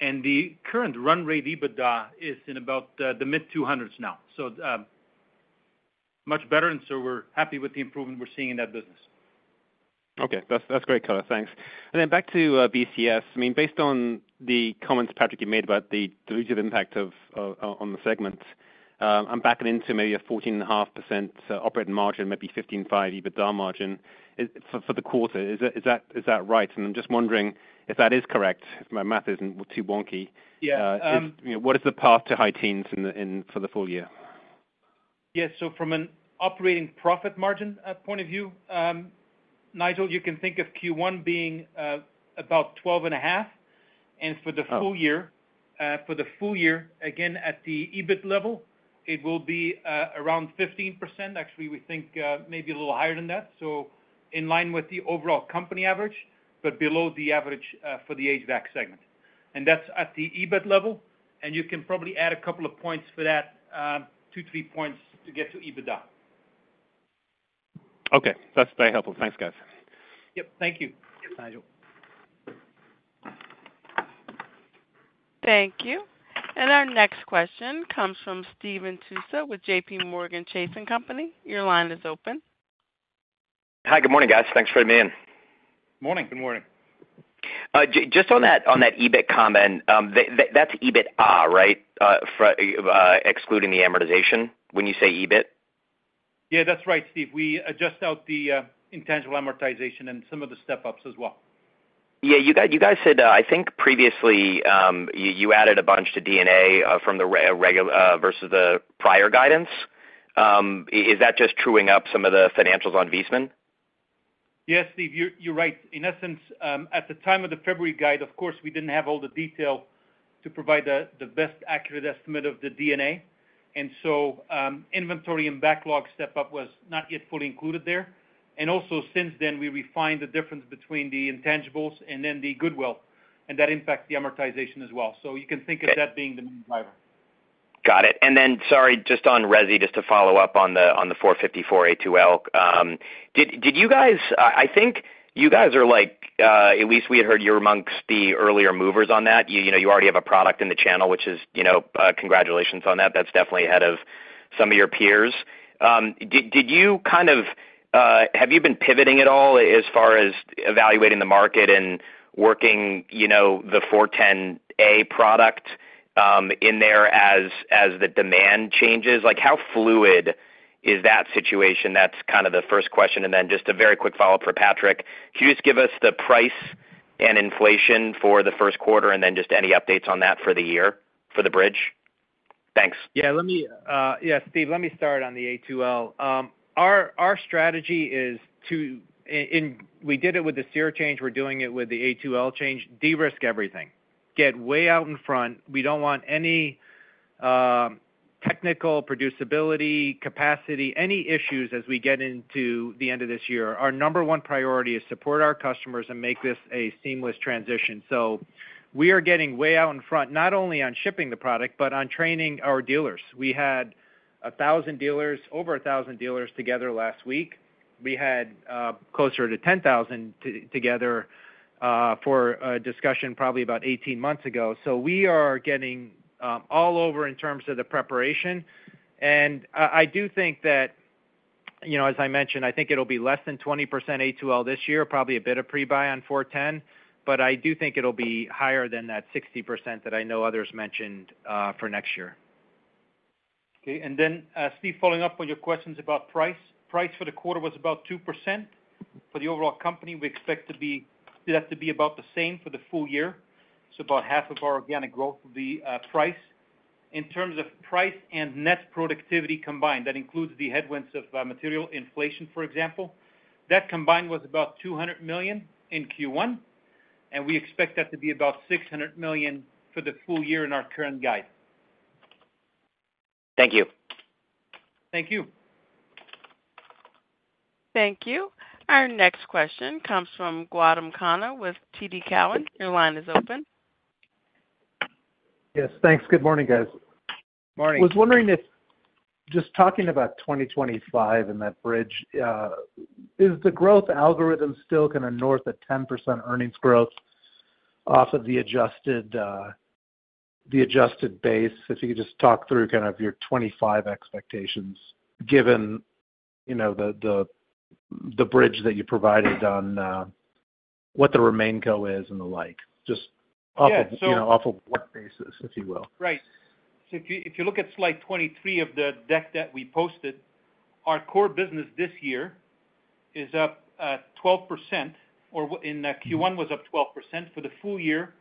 C: And the current run rate EBITDA is in about the mid-200s now. So, much better, and so we're happy with the improvement we're seeing in that business.
K: Okay. That's great, color. Thanks. And then back to VCS. I mean, based on the comments, Patrick, you made about the dilutive impact on the segment, I'm backing into maybe a 14.5% operating margin, maybe 15.5% EBITDA margin for the quarter. Is that right? I'm just wondering if that is correct, if my math isn't too wonky. What is the path to high teens for the full year?
C: Yes. So, from an operating profit margin point of view, Nigel, you can think of Q1 being about 12.5%. For the full year, again, at the EBIT level, it will be around 15%. Actually, we think maybe a little higher than that, so in line with the overall company average, but below the average for the HVAC segment. That's at the EBIT level. You can probably add a couple of points for that, two, three points to get to EBITDA.
K: Okay. That's very helpful. Thanks, guys.
C: Yep. Thank you, Nigel.
A: Thank you. Our next question comes from Steven Tusa with JPMorgan Chase & Company. Your line is open.
L: Hi. Good morning, guys. Thanks for having me in. Morning. Good morning. Just on that EBIT comment, that's EBITA, right, excluding the amortization when you say EBIT?
C: Yeah. That's right, Steve. We adjust out the intangible amortization and some of the step-ups as well.
L: Yeah. You guys said, I think previously, you added a bunch to D&A versus the prior guidance. Is that just truing up some of the financials on Viessmann?
C: Yes, Steve. You're right. In essence, at the time of the February guide, of course, we didn't have all the detail to provide the best accurate estimate of the D&A. And so, inventory and backlog step-up was not yet fully included there. And also, since then, we refined the difference between the intangibles and then the goodwill, and that impacts the amortization as well. So, you can think of that being the main driver.
L: Got it. And then, sorry, just on resi, just to follow up on the 454B A2L, did you guys I think you guys are at least we had heard you're amongst the earlier movers on that. You already have a product in the channel, which is congratulations on that. That's definitely ahead of some of your peers. Did you kind of have you been pivoting at all as far as evaluating the market and working the 410A product in there as the demand changes? How fluid is that situation? That's kind of the first question. And then just a very quick follow-up for Patrick. Can you just give us the price and inflation for the first quarter and then just any updates on that for the year, for the bridge?
D: Thanks. Yeah. Steve, let me start on the A2L. Our strategy is to and we did it with the SEER change. We're doing it with the A2L change. Derisk everything. Get way out in front. We don't want any technical producibility, capacity, any issues as we get into the end of this year. Our number one priority is support our customers and make this a seamless transition. So, we are getting way out in front, not only on shipping the product, but on training our dealers. We had over 1,000 dealers together last week. We had closer to 10,000 together for a discussion probably about 18 months ago. So, we are getting all over in terms of the preparation. And I do think that, as I mentioned, I think it'll be less than 20% A2L this year, probably a bit of pre-buy on 410, but I do think it'll be higher than that 60% that I know others mentioned for next year. Okay. And then, Steve, following up on your questions about price, price for the quarter was about 2% for the overall company. We expect that to be about the same for the full year. So, about half of our organic growth will be price. In terms of price and net productivity combined, that includes the headwinds of material inflation, for example, that combined was about $200 million in Q1, and we expect that to be about $600 million for the full year in our current guide.
L: Thank you.
D: Thank you.
A: Thank you. Our next question comes from Gautam Khanna with TD Cowen. Your line is open.
M: Yes. Thanks. Good morning, guys.
A: Morning.
M: I was wondering if just talking about 2025 and that bridge, is the growth algorithm still kind of north of 10% earnings growth off of the adjusted base? If you could just talk through kind of your 2025 expectations given the bridge that you provided on what the remaining CapEx is and the like, just off of what basis, if you will.
C: Right. So, if you look at slide 23 of the deck that we posted, our core business this year is up 12%, or in Q1 was up 12%. For the full year,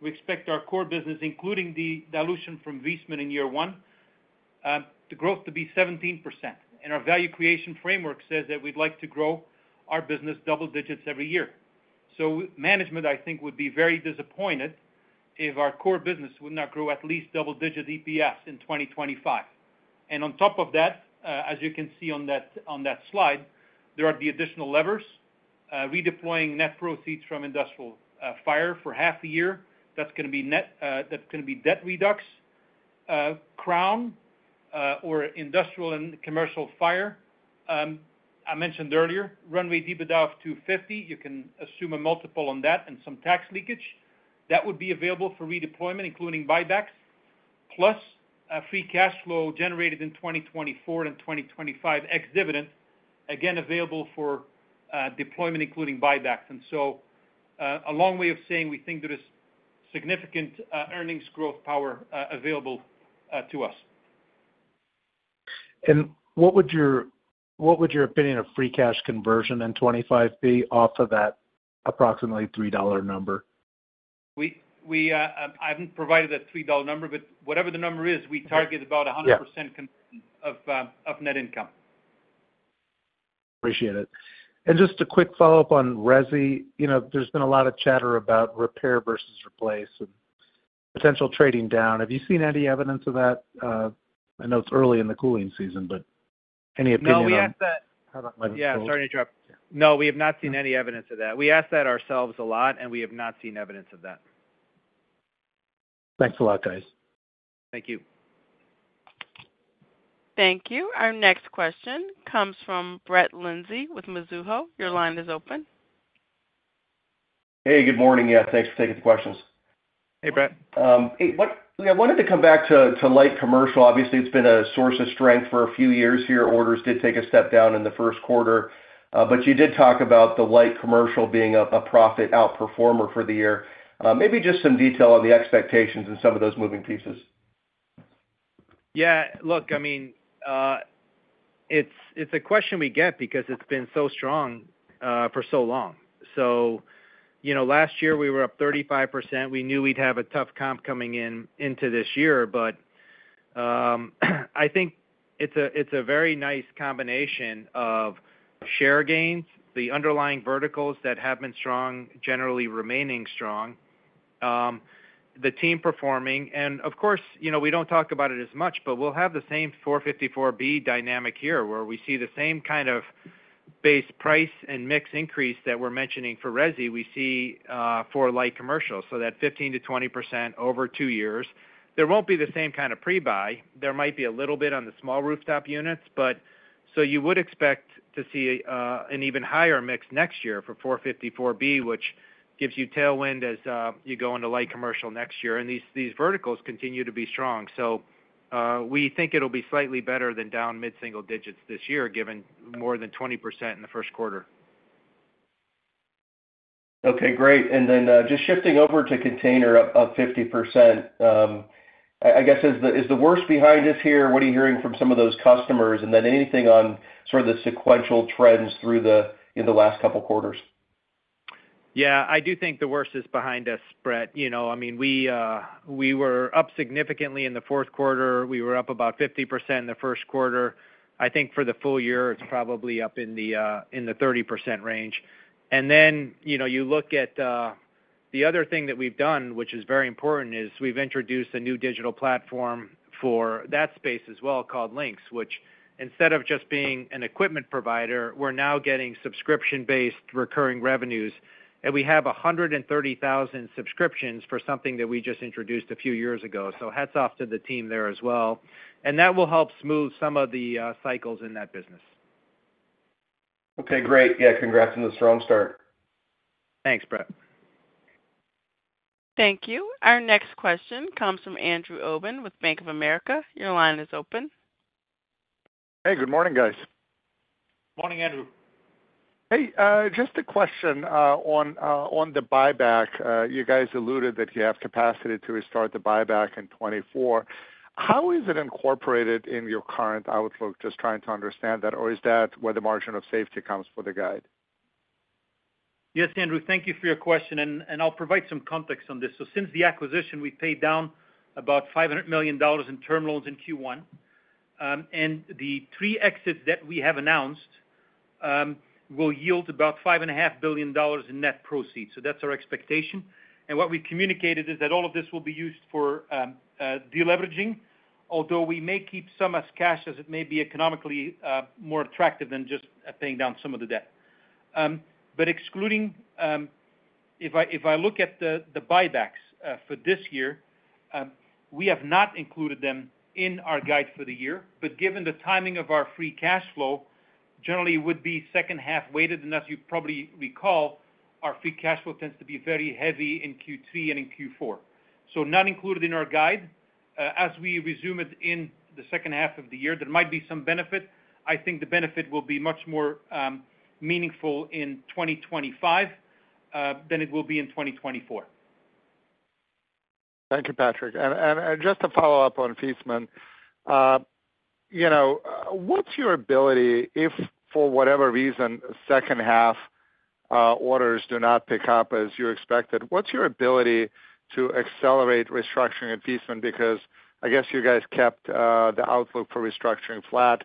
C: we expect our core business, including the dilution from Viessmann in year one, the growth to be 17%. And our value creation framework says that we'd like to grow our business double digits every year. So, management, I think, would be very disappointed if our core business would not grow at least double-digit EPS in 2025. And on top of that, as you can see on that slide, there are the additional levers: redeploying net proceeds from industrial fire for half a year. That's going to be debt reduction. From our industrial and commercial fire, I mentioned earlier, run rate EBITDA of $250. You can assume a multiple on that and some tax leakage. That would be available for redeployment, including buybacks, plus free cash flow generated in 2024 and 2025 ex-dividend, again available for deployment, including buybacks. And so, a long way of saying we think there is significant earnings growth power available to us.
M: And what would your opinion of free cash conversion in 2025 be off of that approximately $3 number?
C: I haven't provided that $3 number, but whatever the number is, we target about 100% of net income.
M: Appreciate it. And just a quick follow-up on resi. There's been a lot of chatter about repair versus replace and potential trading down. Have you seen any evidence of that? I know it's early in the cooling season, but any opinion on that? No. We asked that. How about my?
D: Yeah. Sorry to interrupt. No. We have not seen any evidence of that. We asked that ourselves a lot, and we have not seen evidence of that.
M: Thanks a lot, guys.
C: Thank you.
A: Thank you. Our next question comes from Brett Linzey with Mizuho. Your line is open.
N: Hey. Good morning. Yeah. Thanks for taking the questions.
C: Hey, Brett.
N: Yeah. I wanted to come back to light commercial. Obviously, it's been a source of strength for a few years here. Orders did take a step down in the first quarter, but you did talk about the light commercial being a profit outperformer for the year. Maybe just some detail on the expectations and some of those moving pieces.
D: Yeah. Look, I mean, it's a question we get because it's been so strong for so long. So, last year, we were up 35%. We knew we'd have a tough comp coming into this year, but I think it's a very nice combination of share gains, the underlying verticals that have been strong, generally remaining strong, the team performing. And of course, we don't talk about it as much, but we'll have the same 454B dynamic here where we see the same kind of base price and mix increase that we're mentioning for resi we see for light commercial. So, that 15%-20% over two years. There won't be the same kind of pre-buy. There might be a little bit on the small rooftop units, but so you would expect to see an even higher mix next year for 454B, which gives you tailwind as you go into light commercial next year. These verticals continue to be strong. So, we think it'll be slightly better than down mid-single digits this year given more than 20% in the first quarter.
N: Okay. Great. Then just shifting over to container up 50%, I guess, is the worst behind us here? What are you hearing from some of those customers? Then anything on sort of the sequential trends through the last couple of quarters?
D: Yeah. I do think the worst is behind us, Brett. I mean, we were up significantly in the fourth quarter. We were up about 50% in the first quarter. I think for the full year, it's probably up in the 30% range. And then you look at the other thing that we've done, which is very important, is we've introduced a new digital platform for that space as well called Lynx, which instead of just being an equipment provider, we're now getting subscription-based recurring revenues. And we have 130,000 subscriptions for something that we just introduced a few years ago. So, hats off to the team there as well. And that will help smooth some of the cycles in that business.
N: Okay. Great. Yeah. Congrats on the strong start.
D: Thanks, Brett.
A: Thank you. Our next question comes from Andrew Obin with Bank of America. Your line is open.
O: Hey. Good morning, guys.
D: Morning, Andrew.
O: Hey. Just a question on the buyback. You guys alluded that you have capacity to restart the buyback in 2024. How is it incorporated in your current outlook? Just trying to understand that. Or is that where the margin of safety comes for the guide?
D: Yes, Andrew. Thank you for your question. I'll provide some context on this. So, since the acquisition, we paid down about $500 million in term loans in Q1. The three exits that we have announced will yield about $5.5 billion in net proceeds. That's our expectation. What we've communicated is that all of this will be used for deleveraging, although we may keep some as cash as it may be economically more attractive than just paying down some of the debt. Excluding if I look at the buybacks for this year, we have not included them in our guide for the year. Given the timing of our free cash flow, generally, it would be second-half weighted. As you probably recall, our free cash flow tends to be very heavy in Q3 and in Q4. Not included in our guide. As we resume it in the second half of the year, there might be some benefit. I think the benefit will be much more meaningful in 2025 than it will be in 2024.
O: Thank you, Patrick. Just to follow up on Viessmann, what's your ability if, for whatever reason, second-half orders do not pick up as you expected, what's your ability to accelerate restructuring at Viessmann? Because I guess you guys kept the outlook for restructuring flat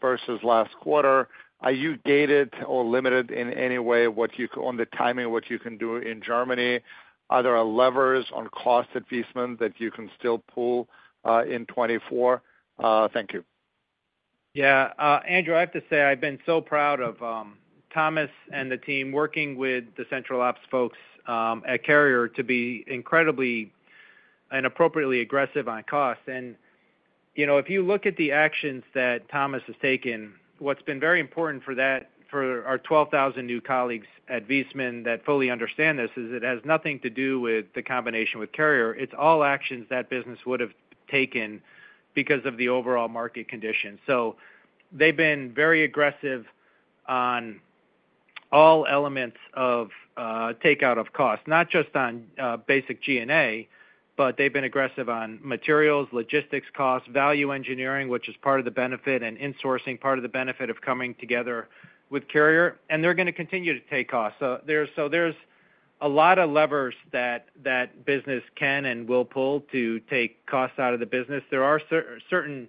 O: versus last quarter. Are you gated or limited in any way on the timing of what you can do in Germany? Are there levers on cost at Viessmann that you can still pull in 2024? Thank you.
D: Yeah. Andrew, I have to say I've been so proud of Thomas and the team working with the central ops folks at Carrier to be incredibly and appropriately aggressive on cost. If you look at the actions that Thomas has taken, what's been very important for our 12,000 new colleagues at Viessmann that fully understand this is it has nothing to do with the combination with Carrier. It's all actions that business would have taken because of the overall market conditions. They've been very aggressive on all elements of takeout of cost, not just on basic G&A, but they've been aggressive on materials, logistics costs, value engineering, which is part of the benefit, and insourcing, part of the benefit of coming together with Carrier. They're going to continue to take costs. So, there's a lot of levers that business can and will pull to take costs out of the business. There are certain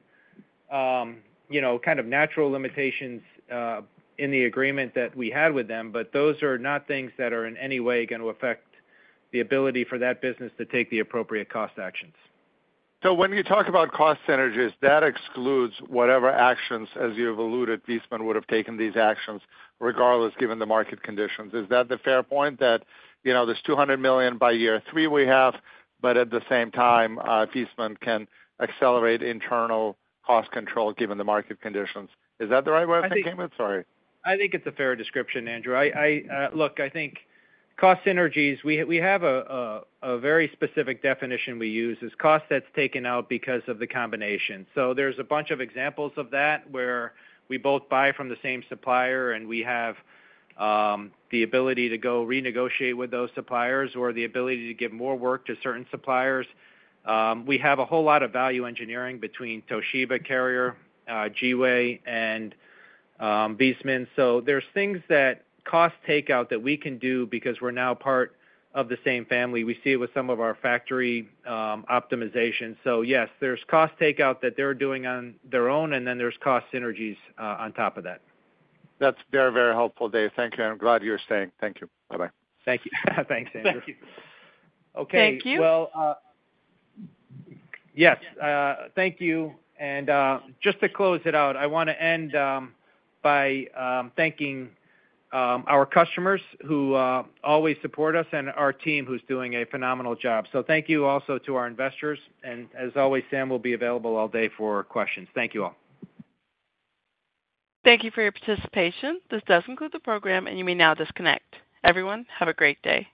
D: kind of natural limitations in the agreement that we had with them, but those are not things that are in any way going to affect the ability for that business to take the appropriate cost actions.
O: So, when you talk about cost synergies, that excludes whatever actions, as you have alluded, Viessmann would have taken these actions regardless, given the market conditions. Is that the fair point, that there's $200 million by year three we have, but at the same time, Viessmann can accelerate internal cost control given the market conditions? Is that the right way I came with? Sorry.
D: I think it's a fair description, Andrew. Look, I think cost synergies, we have a very specific definition we use is cost that's taken out because of the combination. So, there's a bunch of examples of that where we both buy from the same supplier and we have the ability to go renegotiate with those suppliers or the ability to give more work to certain suppliers. We have a whole lot of value engineering between Toshiba, Carrier, Giwee, and Viessmann. So, there's things that cost takeout that we can do because we're now part of the same family. We see it with some of our factory optimizations. So, yes, there's cost takeout that they're doing on their own, and then there's cost synergies on top of that.
O: That's a very, very helpful day. Thank you. I'm glad you're staying. Thank you. Bye-bye.
C: Thank you.
D: Thanks, Andrew.
C: Thank you. Okay.
A: Thank you.
C: Well, yes. Thank you. Just to close it out, I want to end by thanking our customers who always support us and our team who's doing a phenomenal job. Thank you also to our investors. As always, Sam will be available all day for questions. Thank you all. Thank you for your participation. This does conclude the program, and you may now disconnect. Everyone, have a great day.